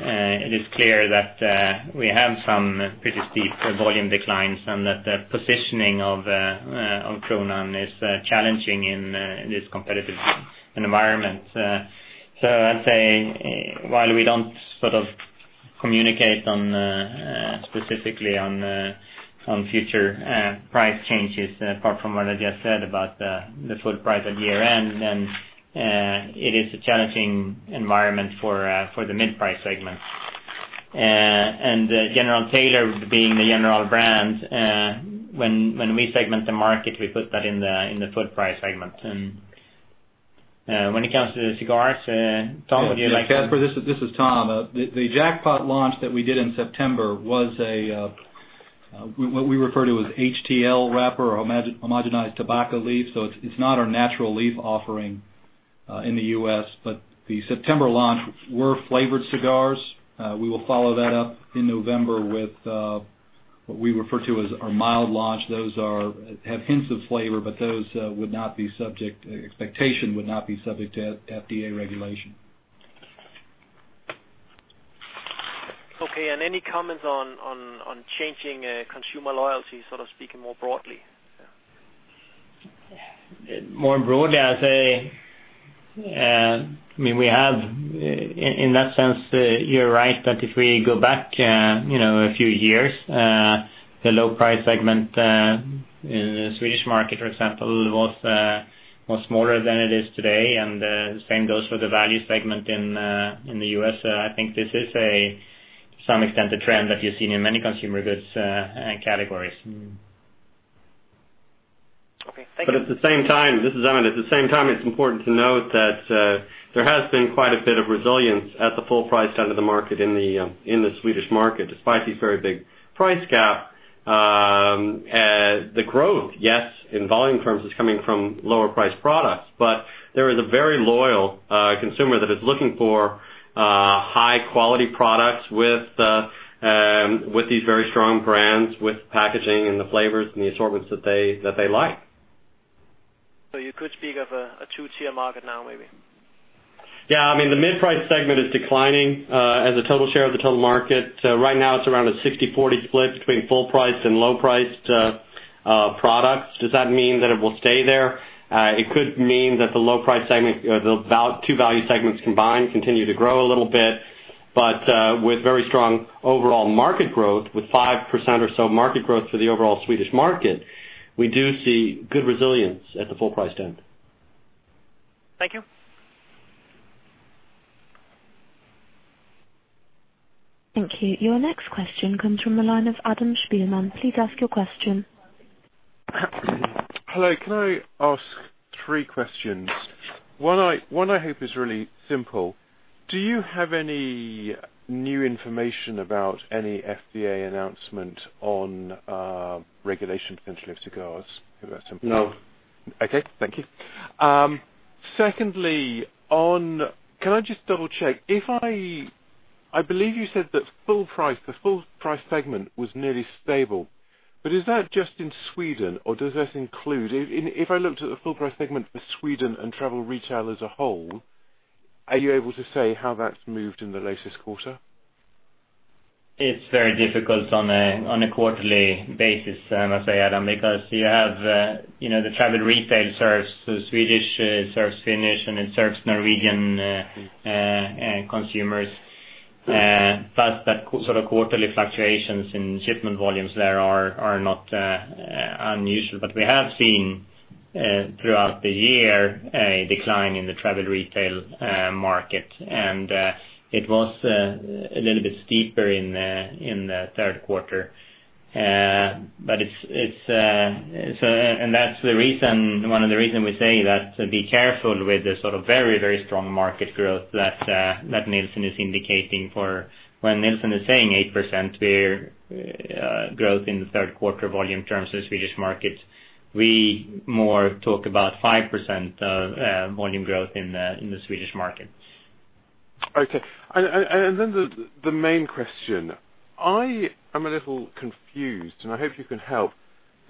it is clear that we have some pretty steep volume declines and that the positioning of Kronan is challenging in this competitive environment. I'd say while we don't sort of communicate specifically on future price changes, apart from what I just said about the full price at year-end, then it is a challenging environment for the mid-price segment. General Tailored being the General brand, when we segment the market, we put that in the full price segment. When it comes to the cigars, Tom, would you like to- Yes, Casper, this is Tom. The Jackpot launch that we did in September was what we refer to as HTL wrapper or homogenized tobacco leaf. It's not our natural leaf offering in the U.S., but the September launch were flavored cigars. We will follow that up in November with what we refer to as our mild launch. Those have hints of flavor, but those would not be subject, expectation would not be subject to FDA regulation. Okay. Any comments on changing consumer loyalty, sort of speaking more broadly? More broadly, I'd say, in that sense, you're right, that if we go back a few years, the low price segment in the Swedish market, for example, was smaller than it is today. The same goes for the value segment in the U.S. I think this is to some extent, the trend that you're seeing in many consumer goods and categories. Okay. Thank you. At the same time, this is Emmett. At the same time, it's important to note that there has been quite a bit of resilience at the full price end of the market in the Swedish market, despite these very big price gap. The growth, yes, in volume terms is coming from lower priced products, but there is a very loyal consumer that is looking for high quality products with these very strong brands, with packaging and the flavors and the assortments that they like. You could speak of a two-tier market now, maybe? Yeah. The mid-price segment is declining as a total share of the total market. Right now it's around a 60-40 split between full price and low priced products. Does that mean that it will stay there? It could mean that the low price segment, the two value segments combined, continue to grow a little bit, with very strong overall market growth, with 5% or so market growth for the overall Swedish market, we do see good resilience at the full price end. Thank you. Thank you. Your next question comes from the line of Adam Spielman. Please ask your question. Hello, can I ask three questions? One I hope is really simple. Do you have any new information about any FDA announcement on regulation potentially of cigars? No. Okay. Thank you. Secondly, can I just double-check? I believe you said that the full price segment was nearly stable. Is that just in Sweden or does that include If I looked at the full price segment for Sweden and travel retail as a whole, are you able to say how that's moved in the latest quarter? It's very difficult on a quarterly basis, Adam, because you have the travel retail serves Swedish, serves Finnish, and it serves Norwegian consumers. That sort of quarterly fluctuations in shipment volumes there are not unusual. We have seen, throughout the year, a decline in the travel retail market, and it was a little bit steeper in the third quarter. That's one of the reason we say that, be careful with the sort of very, very strong market growth that Nielsen is indicating for. When Nielsen is saying 8% growth in the third quarter volume terms of the Swedish market, we more talk about 5% volume growth in the Swedish market. Okay. The main question. I am a little confused, and I hope you can help.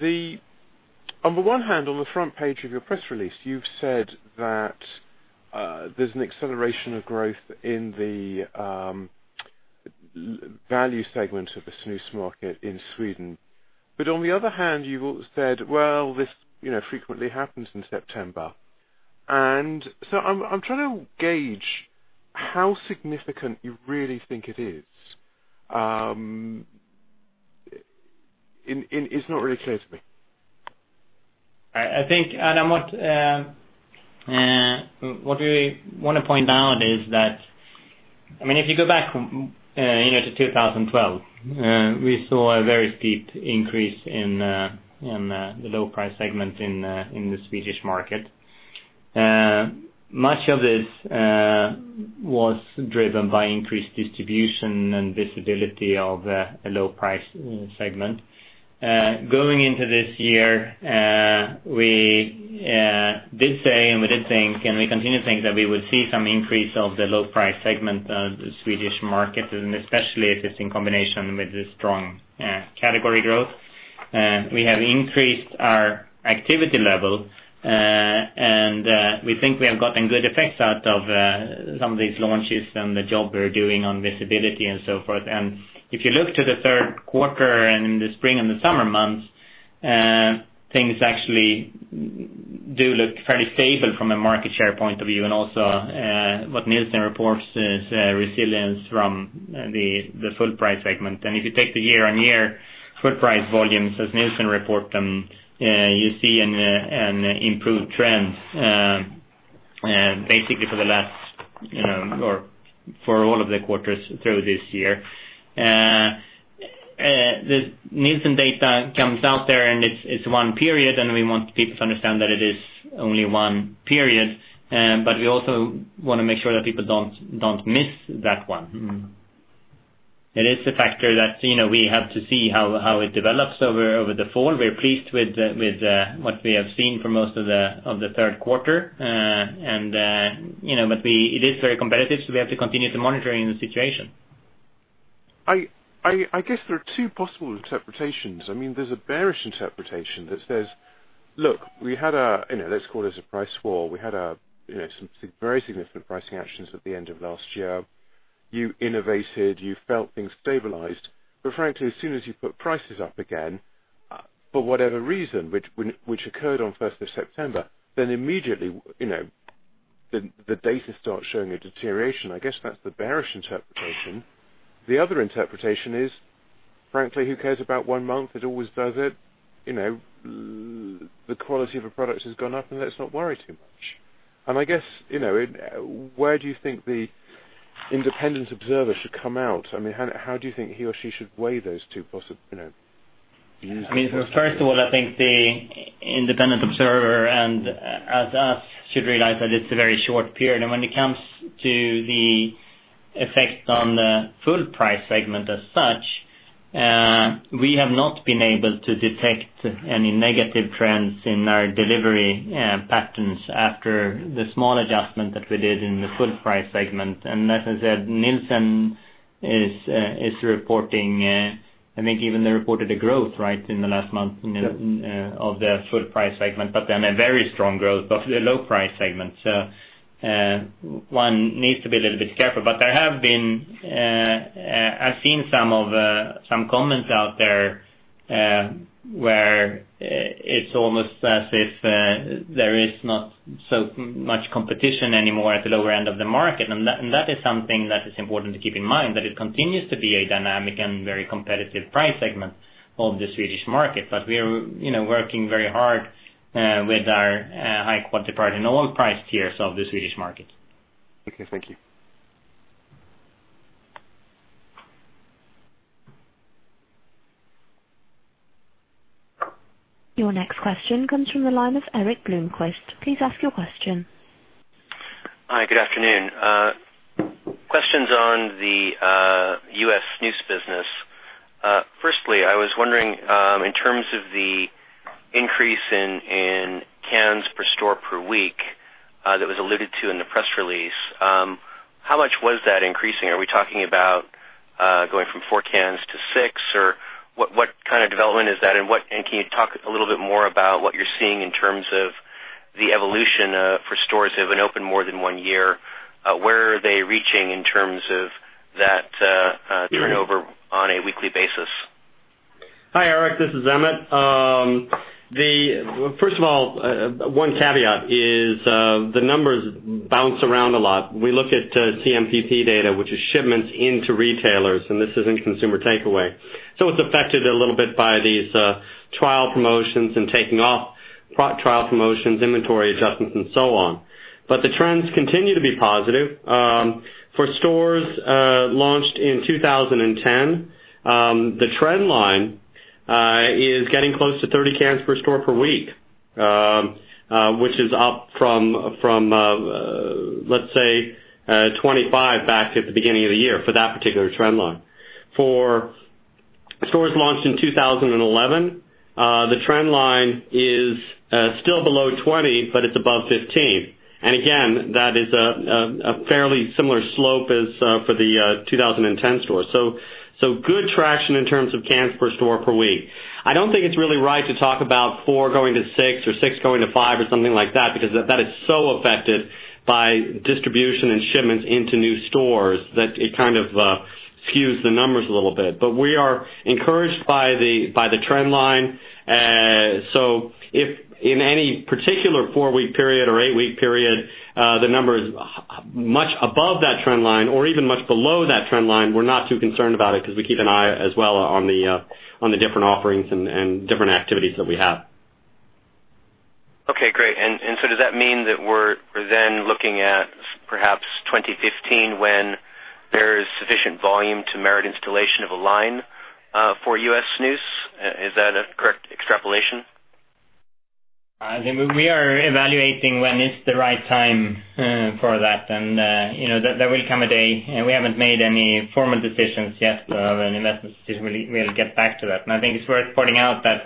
On the one hand, on the front page of your press release, you've said that there's an acceleration of growth in the value segment of the snus market in Sweden. On the other hand, you've said, well, this frequently happens in September. I'm trying to gauge how significant you really think it is. It's not really clear to me. I think, Adam, what we want to point out is that, if you go back to 2012, we saw a very steep increase in the low price segment in the Swedish market. Much of this was driven by increased distribution and visibility of a low price segment. Going into this year, we did say, and we did think, and we continue to think that we would see some increase of the low price segment of the Swedish market, and especially if it's in combination with the strong category growth. We have increased our activity level, and we think we have gotten good effects out of some of these launches and the job we're doing on visibility and so forth. If you look to the third quarter and the spring and the summer months, things actually do look fairly stable from a market share point of view. What Nielsen reports is resilience from the full price segment. If you take the year-on-year full price volumes as Nielsen report them, you see an improved trend basically for all of the quarters through this year. The Nielsen data comes out there, it's one period, and we want people to understand that it is only one period, but we also want to make sure that people don't miss that one. It is a factor that we have to see how it develops over the fall. We're pleased with what we have seen for most of the third quarter. It is very competitive, so we have to continue to monitoring the situation. I guess there are two possible interpretations. There's a bearish interpretation that says, look, we had a, let's call this a price war. We had some very significant pricing actions at the end of last year. You innovated, you felt things stabilized. Frankly, as soon as you put prices up again, for whatever reason, which occurred on 1st of September, then immediately, the data starts showing a deterioration. I guess that's the bearish interpretation. The other interpretation is. Frankly, who cares about one month? It always does it. The quality of a product has gone up, let's not worry too much. I guess, where do you think the independent observer should come out? How do you think he or she should weigh those two possibilities? First of all, I think the independent observer, and as us, should realize that it's a very short period. When it comes to the effect on the full price segment as such, we have not been able to detect any negative trends in our delivery patterns after the small adjustment that we did in the full price segment. As I said, Nielsen is reporting, I think even they reported a growth, right? In the last month. Yep of the full price segment, a very strong growth of the low price segment. One needs to be a little bit careful. I've seen some comments out there, where it's almost as if there is not so much competition anymore at the lower end of the market. That is something that is important to keep in mind, that it continues to be a dynamic and very competitive price segment of the Swedish market. We are working very hard with our high quality part in the low price tiers of the Swedish market. Okay. Thank you. Your next question comes from the line of Erik Bloomquist. Please ask your question. Hi, good afternoon. Questions on the U.S. snus business. I was wondering, in terms of the increase in cans per store per week that was alluded to in the press release, how much was that increasing? Are we talking about going from four cans to six, or what kind of development is that? Can you talk a little bit more about what you're seeing in terms of the evolution, for stores that have been open more than one year? Where are they reaching in terms of that turnover on a weekly basis? Hi, Erik, this is Emmett. First of all, one caveat is the numbers bounce around a lot. We look at CMPP data, which is shipments into retailers, and this isn't consumer takeaway. It's affected a little bit by these trial promotions and taking off trial promotions, inventory adjustments, and so on. The trends continue to be positive. For stores launched in 2010, the trend line is getting close to 30 cans per store per week, which is up from, let's say, 25 back at the beginning of the year, for that particular trend line. For stores launched in 2011, the trend line is still below 20, but it's above 15. Again, that is a fairly similar slope as for the 2010 stores. Good traction in terms of cans per store per week. I don't think it's really right to talk about four going to six, or six going to five, or something like that, because that is so affected by distribution and shipments into new stores that it kind of skews the numbers a little bit. We are encouraged by the trend line. If in any particular four-week period or eight-week period, the number is much above that trend line or even much below that trend line, we're not too concerned about it because we keep an eye as well on the different offerings and different activities that we have. Okay, great. Does that mean that we're then looking at perhaps 2015 when there is sufficient volume to merit installation of a line for U.S. snus? Is that a correct extrapolation? We are evaluating when is the right time for that. There will come a day, and we haven't made any formal decisions yet of an investment decision. We'll get back to that. I think it's worth pointing out that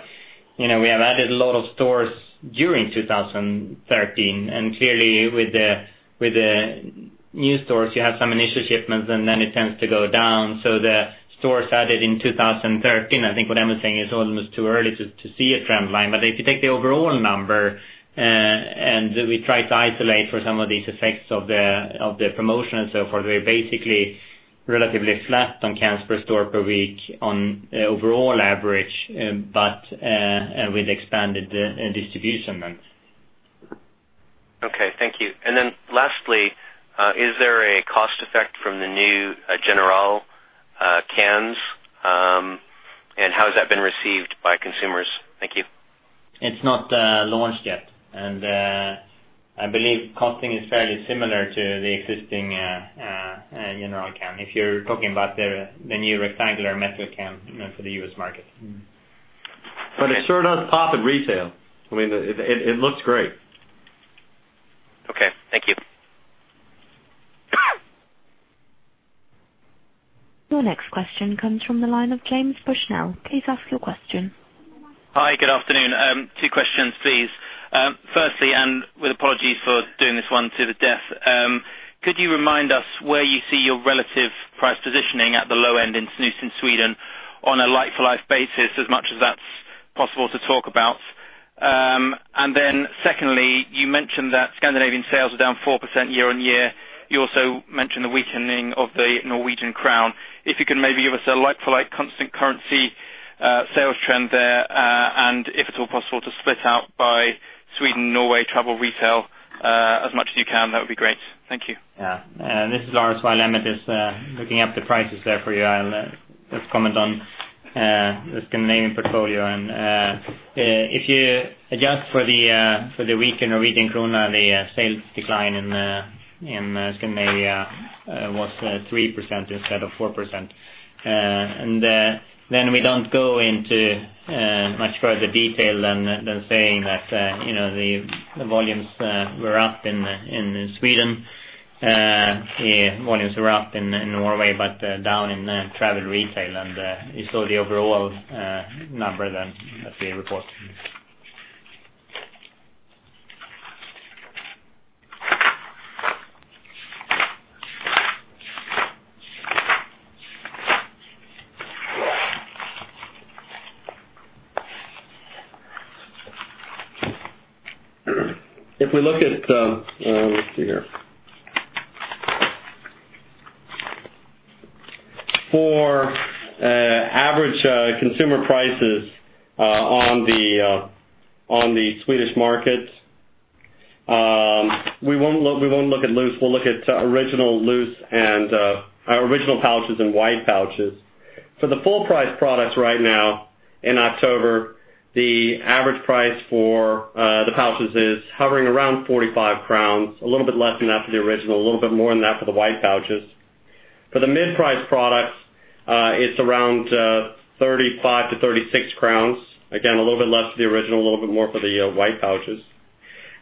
we have added a lot of stores during 2013, and clearly with the new stores, you have some initial shipments and then it tends to go down. The stores added in 2013, I think what Emmett is saying is almost too early to see a trend line. If you take the overall number, and we try to isolate for some of these effects of the promotion and so forth, we're basically relatively flat on cans per store per week on overall average, but with expanded distribution then. Okay, thank you. Lastly, is there a cost effect from the new General cans? How has that been received by consumers? Thank you. It's not launched yet, I believe costing is fairly similar to the existing General can, if you're talking about the new rectangular metal can for the U.S. market. It sure does pop in retail. It looks great. Okay, thank you. Your next question comes from the line of James Bushnell. Please ask your question. Hi, good afternoon. Two questions, please. Firstly, with apologies for doing this one to the death, could you remind us where you see your relative price positioning at the low end in snus in Sweden on a like-for-like basis, as much as that's possible to talk about? Secondly, you mentioned that Scandinavian sales are down 4% year-on-year. You also mentioned the weakening of the Norwegian crown. If you can maybe give us a like-for-like constant currency Sales trend there. If at all possible, to split out by Sweden, Norway, travel retail as much as you can. That would be great. Thank you. This is Lars. While Emmett is looking up the prices there for you, I'll just comment on the Scandinavian portfolio. If you adjust for the weakened Norwegian crown, the sales decline in Scandinavia was 3% instead of 4%. We don't go into much further detail than saying that the volumes were up in Sweden. Volumes were up in Norway, but down in travel retail. You saw the overall number then at the report. If we look at Let's see here. For average consumer prices on the Swedish market, we won't look at loose, we'll look at original pouches and white pouches. For the full price products right now in October, the average price for the pouches is hovering around 45 crowns, a little bit less than that for the original, a little bit more than that for the white pouches. For the mid-price products, it's around 35 to 36 crowns. Again, a little bit less for the original, a little bit more for the white pouches.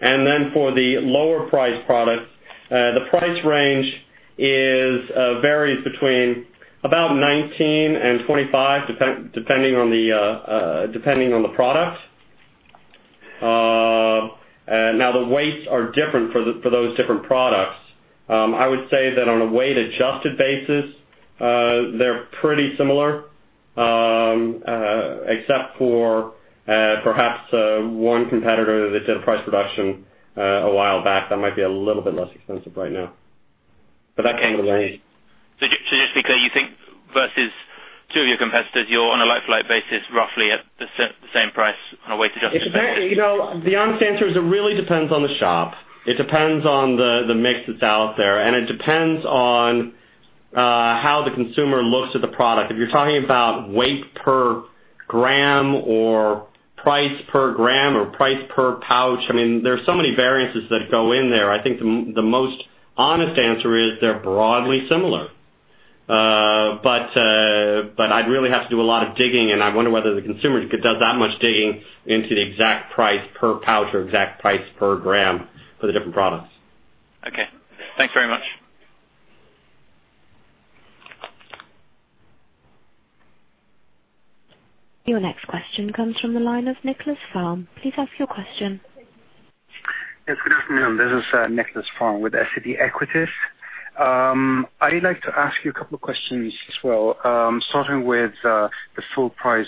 For the lower priced products, the price range varies between about 19 and 25, depending on the product. Now, the weights are different for those different products. I would say that on a weight adjusted basis, they're pretty similar, except for perhaps one competitor that did a price reduction a while back that might be a little bit less expensive right now. That came to mind. Just because you think versus two of your competitors, you're on a like-to-like basis, roughly at the same price on a weight adjusted basis? The honest answer is it really depends on the shop. It depends on the mix that's out there, and it depends on how the consumer looks at the product. If you're talking about weight per gram or price per gram or price per pouch, there's so many variances that go in there. I think the most honest answer is they're broadly similar. I'd really have to do a lot of digging, and I wonder whether the consumer does that much digging into the exact price per pouch or exact price per gram for the different products. Okay. Thanks very much. Your next question comes from the line of Niklas Farm. Please ask your question. Yes, good afternoon. This is Niklas Farm with SEB Equities. I'd like to ask you a couple of questions as well, starting with the full price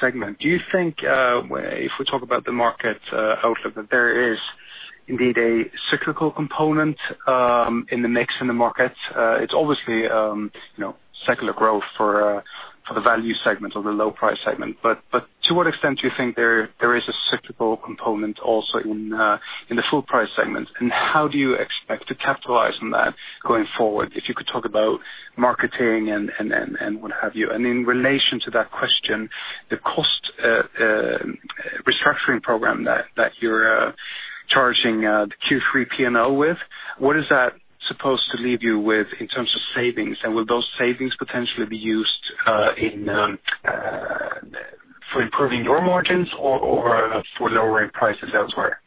segment. Do you think, if we talk about the market outlook, that there is indeed a cyclical component in the mix in the market? It's obviously secular growth for the value segment or the low price segment. To what extent do you think there is a cyclical component also in the full price segment? How do you expect to capitalize on that going forward? If you could talk about marketing and what have you. In relation to that question, the cost restructuring program that you're charging the Q3 P&L with, what is that supposed to leave you with in terms of savings? Will those savings potentially be used for improving your margins or for lowering prices elsewhere?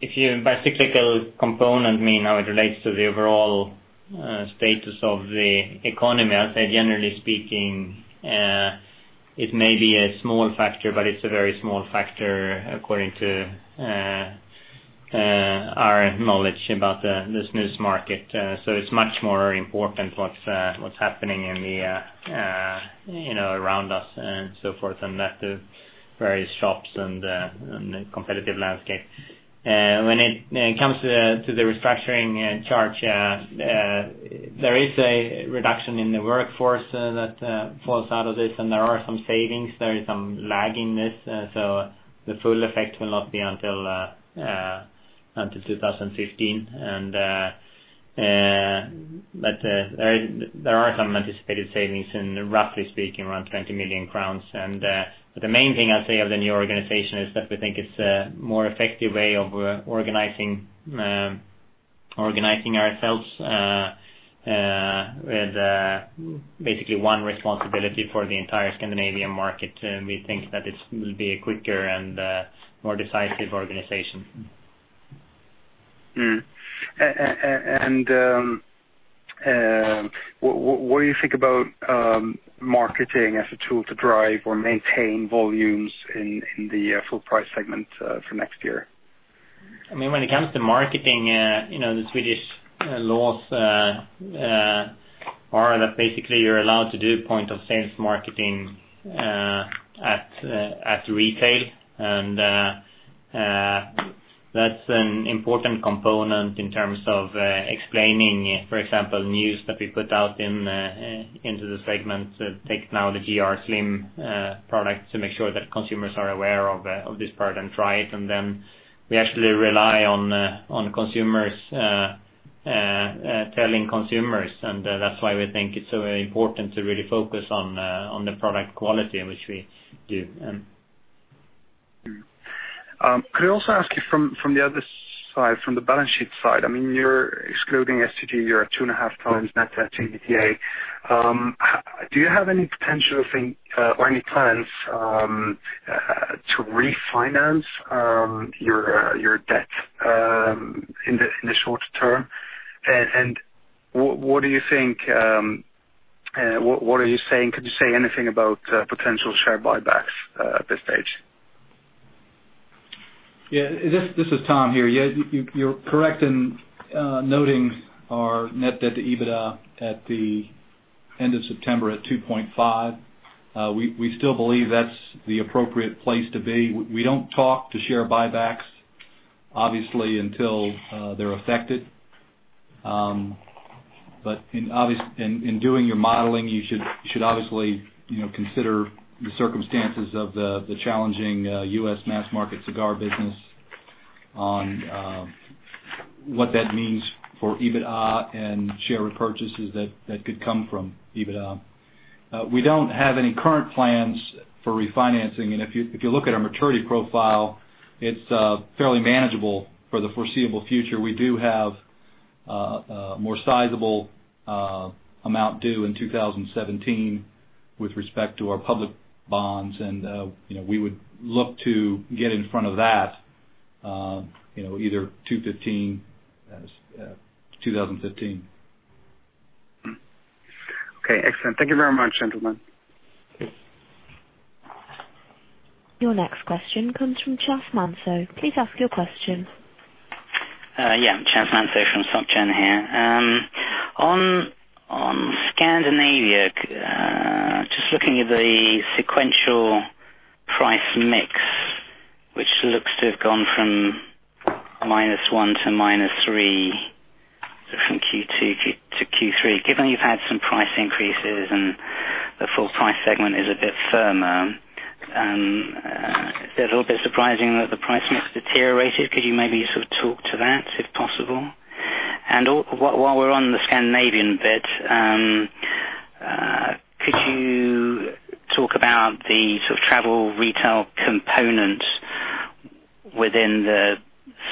If by cyclical component mean how it relates to the overall status of the economy, I'll say, generally speaking, it may be a small factor, but it's a very small factor according to our knowledge about the snus market. It's much more important what's happening around us and so forth, and that the various shops and the competitive landscape. When it comes to the restructuring charge, there is a reduction in the workforce that falls out of this, and there are some savings. There is some lag in this, so the full effect will not be until 2015. There are some anticipated savings in, roughly speaking, around 20 million crowns. The main thing I'll say of the new organization is that we think it's a more effective way of organizing ourselves with basically one responsibility for the entire Scandinavian market. We think that it will be a quicker and more decisive organization. What do you think about marketing as a tool to drive or maintain volumes in the full price segment for next year? When it comes to marketing, the Swedish laws are that basically you're allowed to do point of sales marketing at retail. That's an important component in terms of explaining, for example, news that we put out into the segment, take now the GR Slim product to make sure that consumers are aware of this product and try it. Then we actually rely on consumers telling consumers, and that's why we think it's so important to really focus on the product quality, which we do. Could I also ask you from the other side, from the balance sheet side, you're excluding STG, you're at 2.5 times net debt to EBITDA. Do you have any potential thing or any plans to refinance your debt in the short term? What are you saying, could you say anything about potential share buybacks at this stage? Yeah. This is Tom here. You're correct in noting our net debt to EBITDA at the end of September at 2.5. We still believe that's the appropriate place to be. We don't talk to share buybacks, obviously, until they're affected. In doing your modeling, you should obviously consider the circumstances of the challenging U.S. mass market cigar business on what that means for EBITDA and share repurchases that could come from EBITDA. We don't have any current plans for refinancing, if you look at our maturity profile, it's fairly manageable for the foreseeable future. We do have a more sizable amount due in 2017 with respect to our public bonds, we would look to get in front of that, either 2015. Okay, excellent. Thank you very much, gentlemen. Your next question comes from Chas Manso. Please ask your question. Chas Manso from Societe Generale here. On Scandinavia, just looking at the sequential price mix, which looks to have gone from minus one to minus three, from Q2 to Q3, given you've had some price increases and the full price segment is a bit firmer, it is a little bit surprising that the price mix deteriorated. Could you maybe sort of talk to that, if possible? And while we are on the Scandinavian bit, could you talk about the sort of travel retail component within the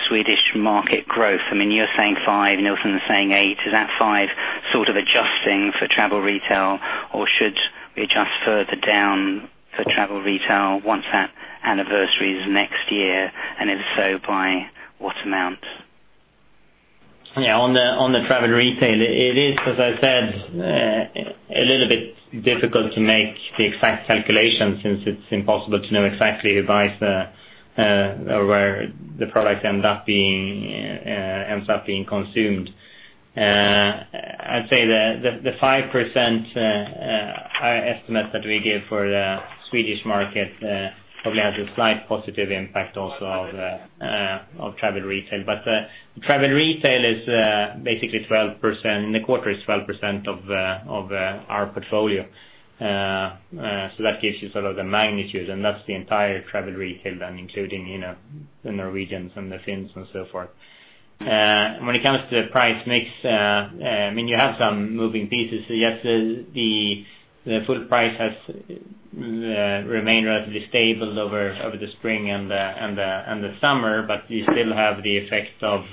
Swedish market growth? You are saying 5%, Nielsen are saying 8%. Is that 5% sort of adjusting for travel retail, or should we adjust further down for travel retail once that anniversary is next year, and if so, by what amount? On the travel retail, it is, as I said, a little bit difficult to make the exact calculation since it is impossible to know exactly who buys or where the product ends up being consumed. I would say the 5% estimate that we give for the Swedish market probably has a slight positive impact also of travel retail. But travel retail is basically 12%, the quarter is 12% of our portfolio. That gives you sort of the magnitude, and that is the entire travel retail then, including the Norwegians and the Finns and so forth. When it comes to the price mix, you have some moving pieces. Yes, the full price has remained relatively stable over the spring and the summer, but you still have the effect of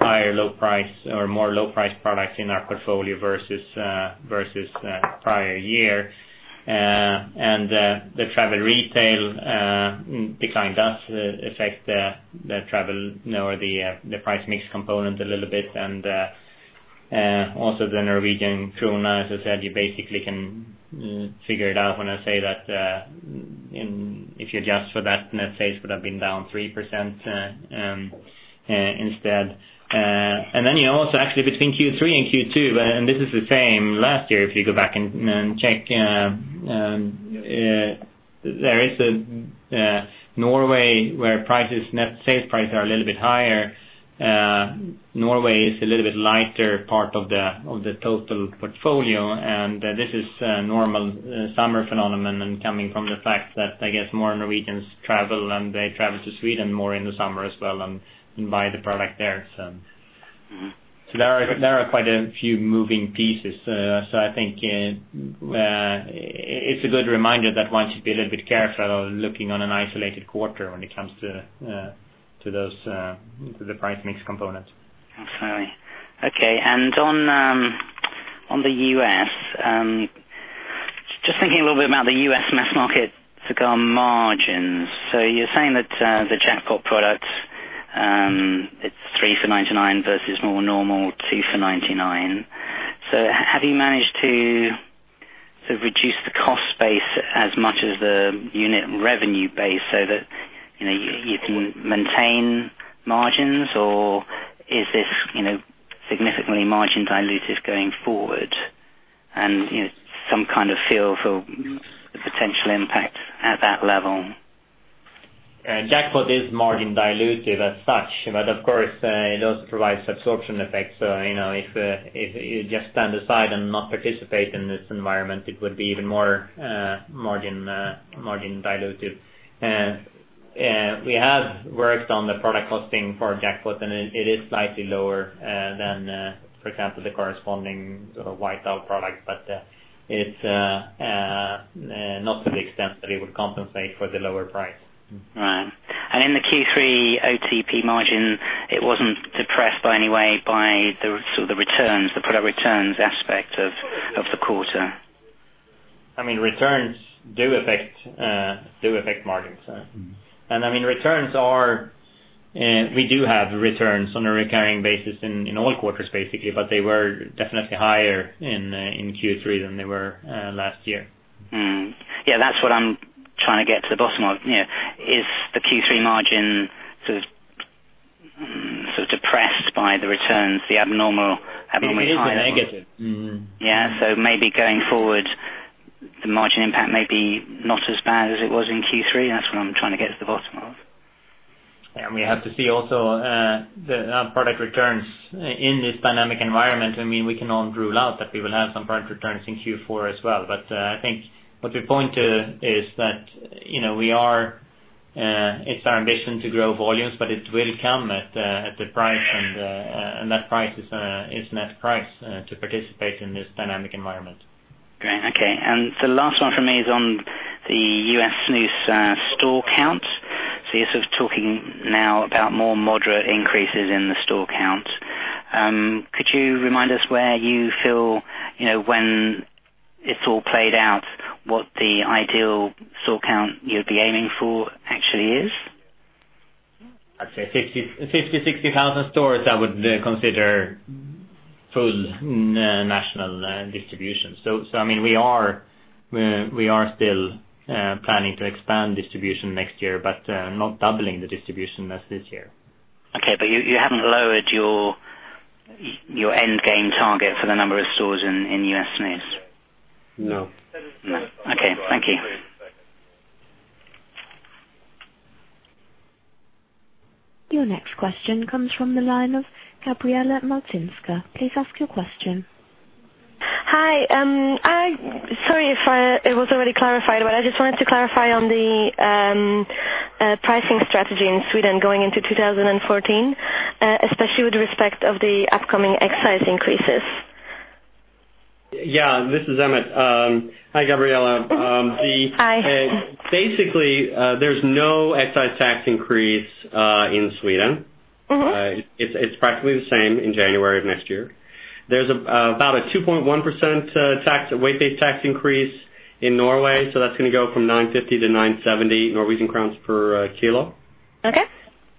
higher low price or more low-priced products in our portfolio versus the prior year. The travel retail decline does affect the travel or the price mix component a little bit. Also the Norwegian crown, as I said, you basically can figure it out when I say that if you adjust for that, net sales could have been down 3% instead. You also actually between Q3 and Q2, and this is the same last year, if you go back and check, there is Norway where net sales prices are a little bit higher. Norway is a little bit lighter part of the total portfolio, and this is a normal summer phenomenon coming from the fact that, I guess, more Norwegians travel, and they travel to Sweden more in the summer as well and buy the product there. There are quite a few moving pieces. I think it's a good reminder that one should be a little bit careful looking on an isolated quarter when it comes to the price mix component. Absolutely. Okay, on the U.S., just thinking a little bit about the U.S. mass market cigar margins. You're saying that the Jackpot product, it's 3 for $0.99 versus more normal 2 for $0.99. Have you managed to sort of reduce the cost base as much as the unit revenue base so that you can maintain margins, or is this significantly margin dilutive going forward? Some kind of feel for the potential impact at that level. Jackpot is margin dilutive as such, but of course it does provide absorption effects. If you just stand aside and not participate in this environment, it would be even more margin dilutive. We have worked on the product costing for Jackpot, and it is slightly lower than, for example, the corresponding White Owl product. It's not to the extent that it would compensate for the lower price. Right. In the Q3 OTP margin, it wasn't depressed by any way by the sort of the returns, the product returns aspect of the quarter? Returns do affect margins. We do have returns on a recurring basis in all quarters, basically, but they were definitely higher in Q3 than they were last year. Yeah, that's what I'm trying to get to the bottom of. Is the Q3 margin sort of depressed by the returns? It is a negative. Yeah. Maybe going forward, the margin impact may be not as bad as it was in Q3. That's what I'm trying to get to the bottom of. Yeah. We have to see also the product returns in this dynamic environment. We cannot rule out that we will have some product returns in Q4 as well. I think what we point to is that it's our ambition to grow volumes, but it will come at a price, and that price is net price to participate in this dynamic environment. Great. Okay. The last one from me is on the U.S. snus store count. You're sort of talking now about more moderate increases in the store count. Could you remind us where you feel, when it's all played out, what the ideal store count you'd be aiming for actually is? I'd say 50,000, 60,000 stores, I would consider full national distribution. We are still planning to expand distribution next year, but not doubling the distribution as this year. Okay. You haven't lowered your end game target for the number of stores in U.S. snus? No. No. Okay. Thank you. Your next question comes from the line of Gabriela Malcinska. Please ask your question. Hi. Sorry if it was already clarified, but I just wanted to clarify on the pricing strategy in Sweden going into 2014, especially with respect of the upcoming excise increases. Yeah. This is Emmett. Hi, Gabriela. Hi. Basically, there's no excise tax increase in Sweden. It's practically the same in January of next year. There's about a 2.1% tax, weight-based tax increase in Norway, that's going to go from 950 to 970 Norwegian crowns per kilo. Okay.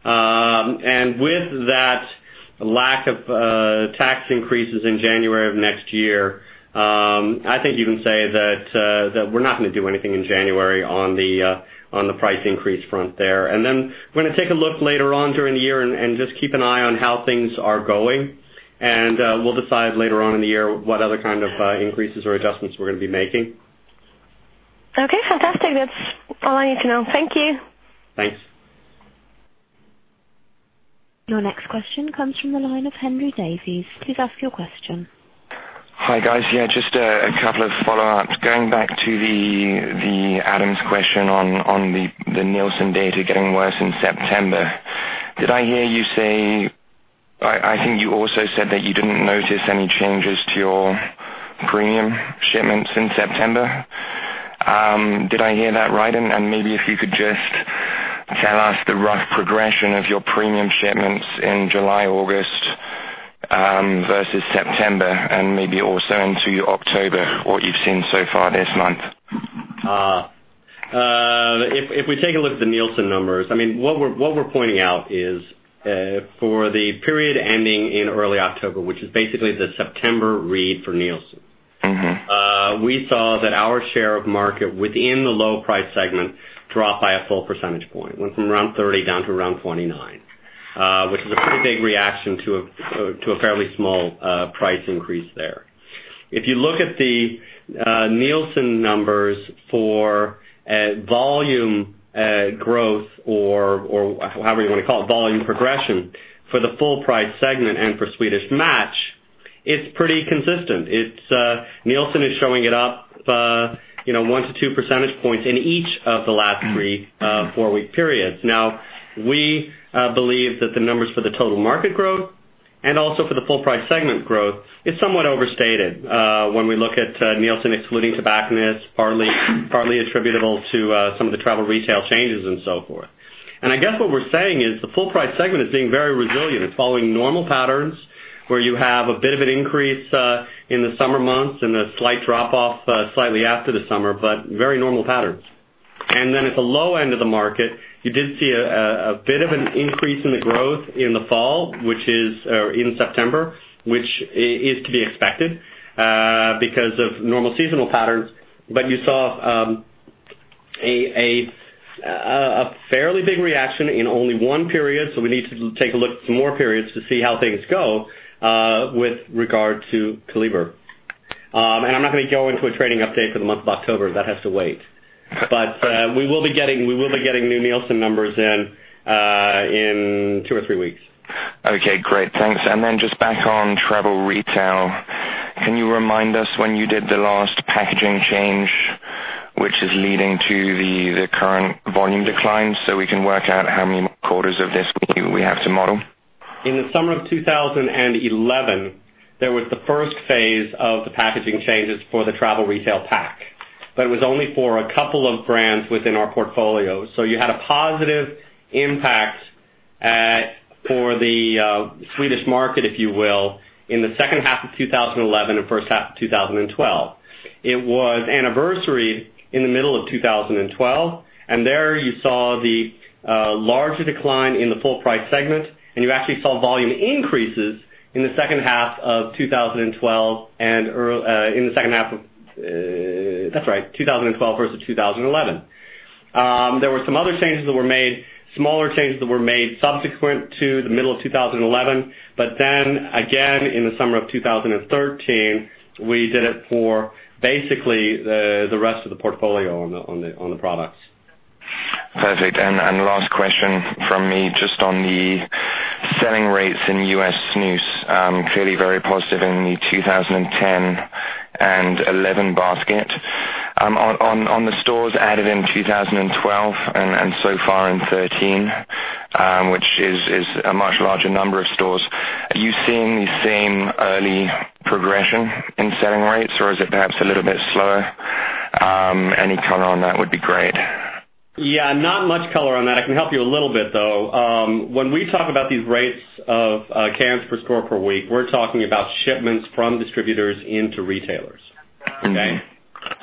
With that lack of tax increases in January of next year, I think you can say that we're not going to do anything in January on the price increase front there. Then we're going to take a look later on during the year and just keep an eye on how things are going. We'll decide later on in the year what other kind of increases or adjustments we're going to be making. Okay, fantastic. That's all I need to know. Thank you. Thanks. Your next question comes from the line of Henry Davies. Please ask your question. Hi, guys. Yeah, just a couple of follow-ups. Going back to Adam's question on the Nielsen data getting worse in September. I think you also said that you didn't notice any changes to your premium shipments in September. Did I hear that right? Maybe if you could just tell us the rough progression of your premium shipments in July, August, versus September, and maybe also into October, what you've seen so far this month. If we take a look at the Nielsen numbers, what we're pointing out is, for the period ending in early October, which is basically the September read for Nielsen. We saw that our share of market within the low price segment dropped by a full percentage point. It went from around 30 down to around 29, which is a pretty big reaction to a fairly small price increase there. If you look at the Nielsen numbers for volume growth or however you want to call it, volume progression, for the full price segment and for Swedish Match, it's pretty consistent. Nielsen is showing it up 1-2 percentage points in each of the last 3 four-week periods. We believe that the numbers for the total market growth and also for the full price segment growth is somewhat overstated. When we look at Nielsen excluding tobacconists, partly attributable to some of the travel retail changes and so forth. I guess what we're saying is the full price segment is being very resilient. It's following normal patterns where you have a bit of an increase in the summer months and a slight drop off slightly after the summer, but very normal patterns. At the low end of the market, you did see a bit of an increase in the growth in the fall, which is in September, which is to be expected because of normal seasonal patterns. You saw a fairly big reaction in only one period, so we need to take a look at some more periods to see how things go with regard to Kaliber. I'm not going to go into a trading update for the month of October. That has to wait. We will be getting new Nielsen numbers in two or three weeks. Okay, great. Thanks. Just back on travel retail. Can you remind us when you did the last packaging change, which is leading to the current volume decline, so we can work out how many quarters of this we have to model? In the summer of 2011, there was the first phase of the packaging changes for the travel retail pack. It was only for a couple of brands within our portfolio. You had a positive impact for the Swedish market, if you will, in the second half of 2011 and first half of 2012. It was anniversaried in the middle of 2012, and there you saw the larger decline in the full price segment, and you actually saw volume increases in the second half of 2012 versus 2011. There were some other changes that were made, smaller changes that were made subsequent to the middle of 2011. Again, in the summer of 2013, we did it for basically the rest of the portfolio on the products. Perfect. Last question from me, just on the selling rates in U.S. snus, clearly very positive in the 2010 and 2011 basket. On the stores added in 2012 and so far in 2013, which is a much larger number of stores, are you seeing the same early progression in selling rates, or is it perhaps a little bit slower? Any color on that would be great. Yeah, not much color on that. I can help you a little bit, though. When we talk about these rates of cans per store per week, we're talking about shipments from distributors into retailers. Okay?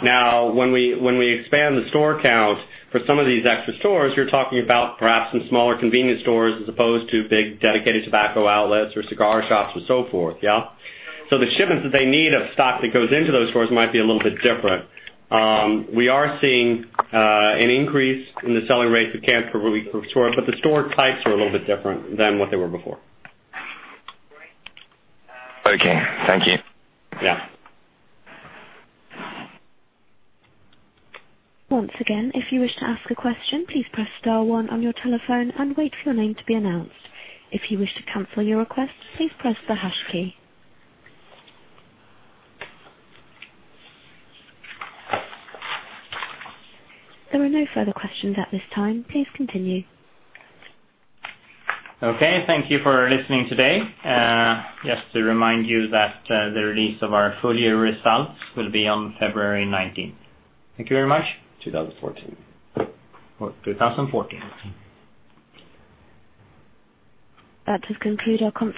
When we expand the store count for some of these extra stores, you're talking about perhaps some smaller convenience stores as opposed to big dedicated tobacco outlets or cigar shops or so forth, yeah? The shipments that they need of stock that goes into those stores might be a little bit different. We are seeing an increase in the selling rate of cans per week per store, but the store types are a little bit different than what they were before. Okay, thank you. Yeah. Once again, if you wish to ask a question, please press star one on your telephone and wait for your name to be announced. If you wish to cancel your request, please press the hash key. There are no further questions at this time. Please continue. Okay, thank you for listening today. Just to remind you that the release of our full year results will be on February 19th. Thank you very much. 2014. 2014. That does conclude our conference call.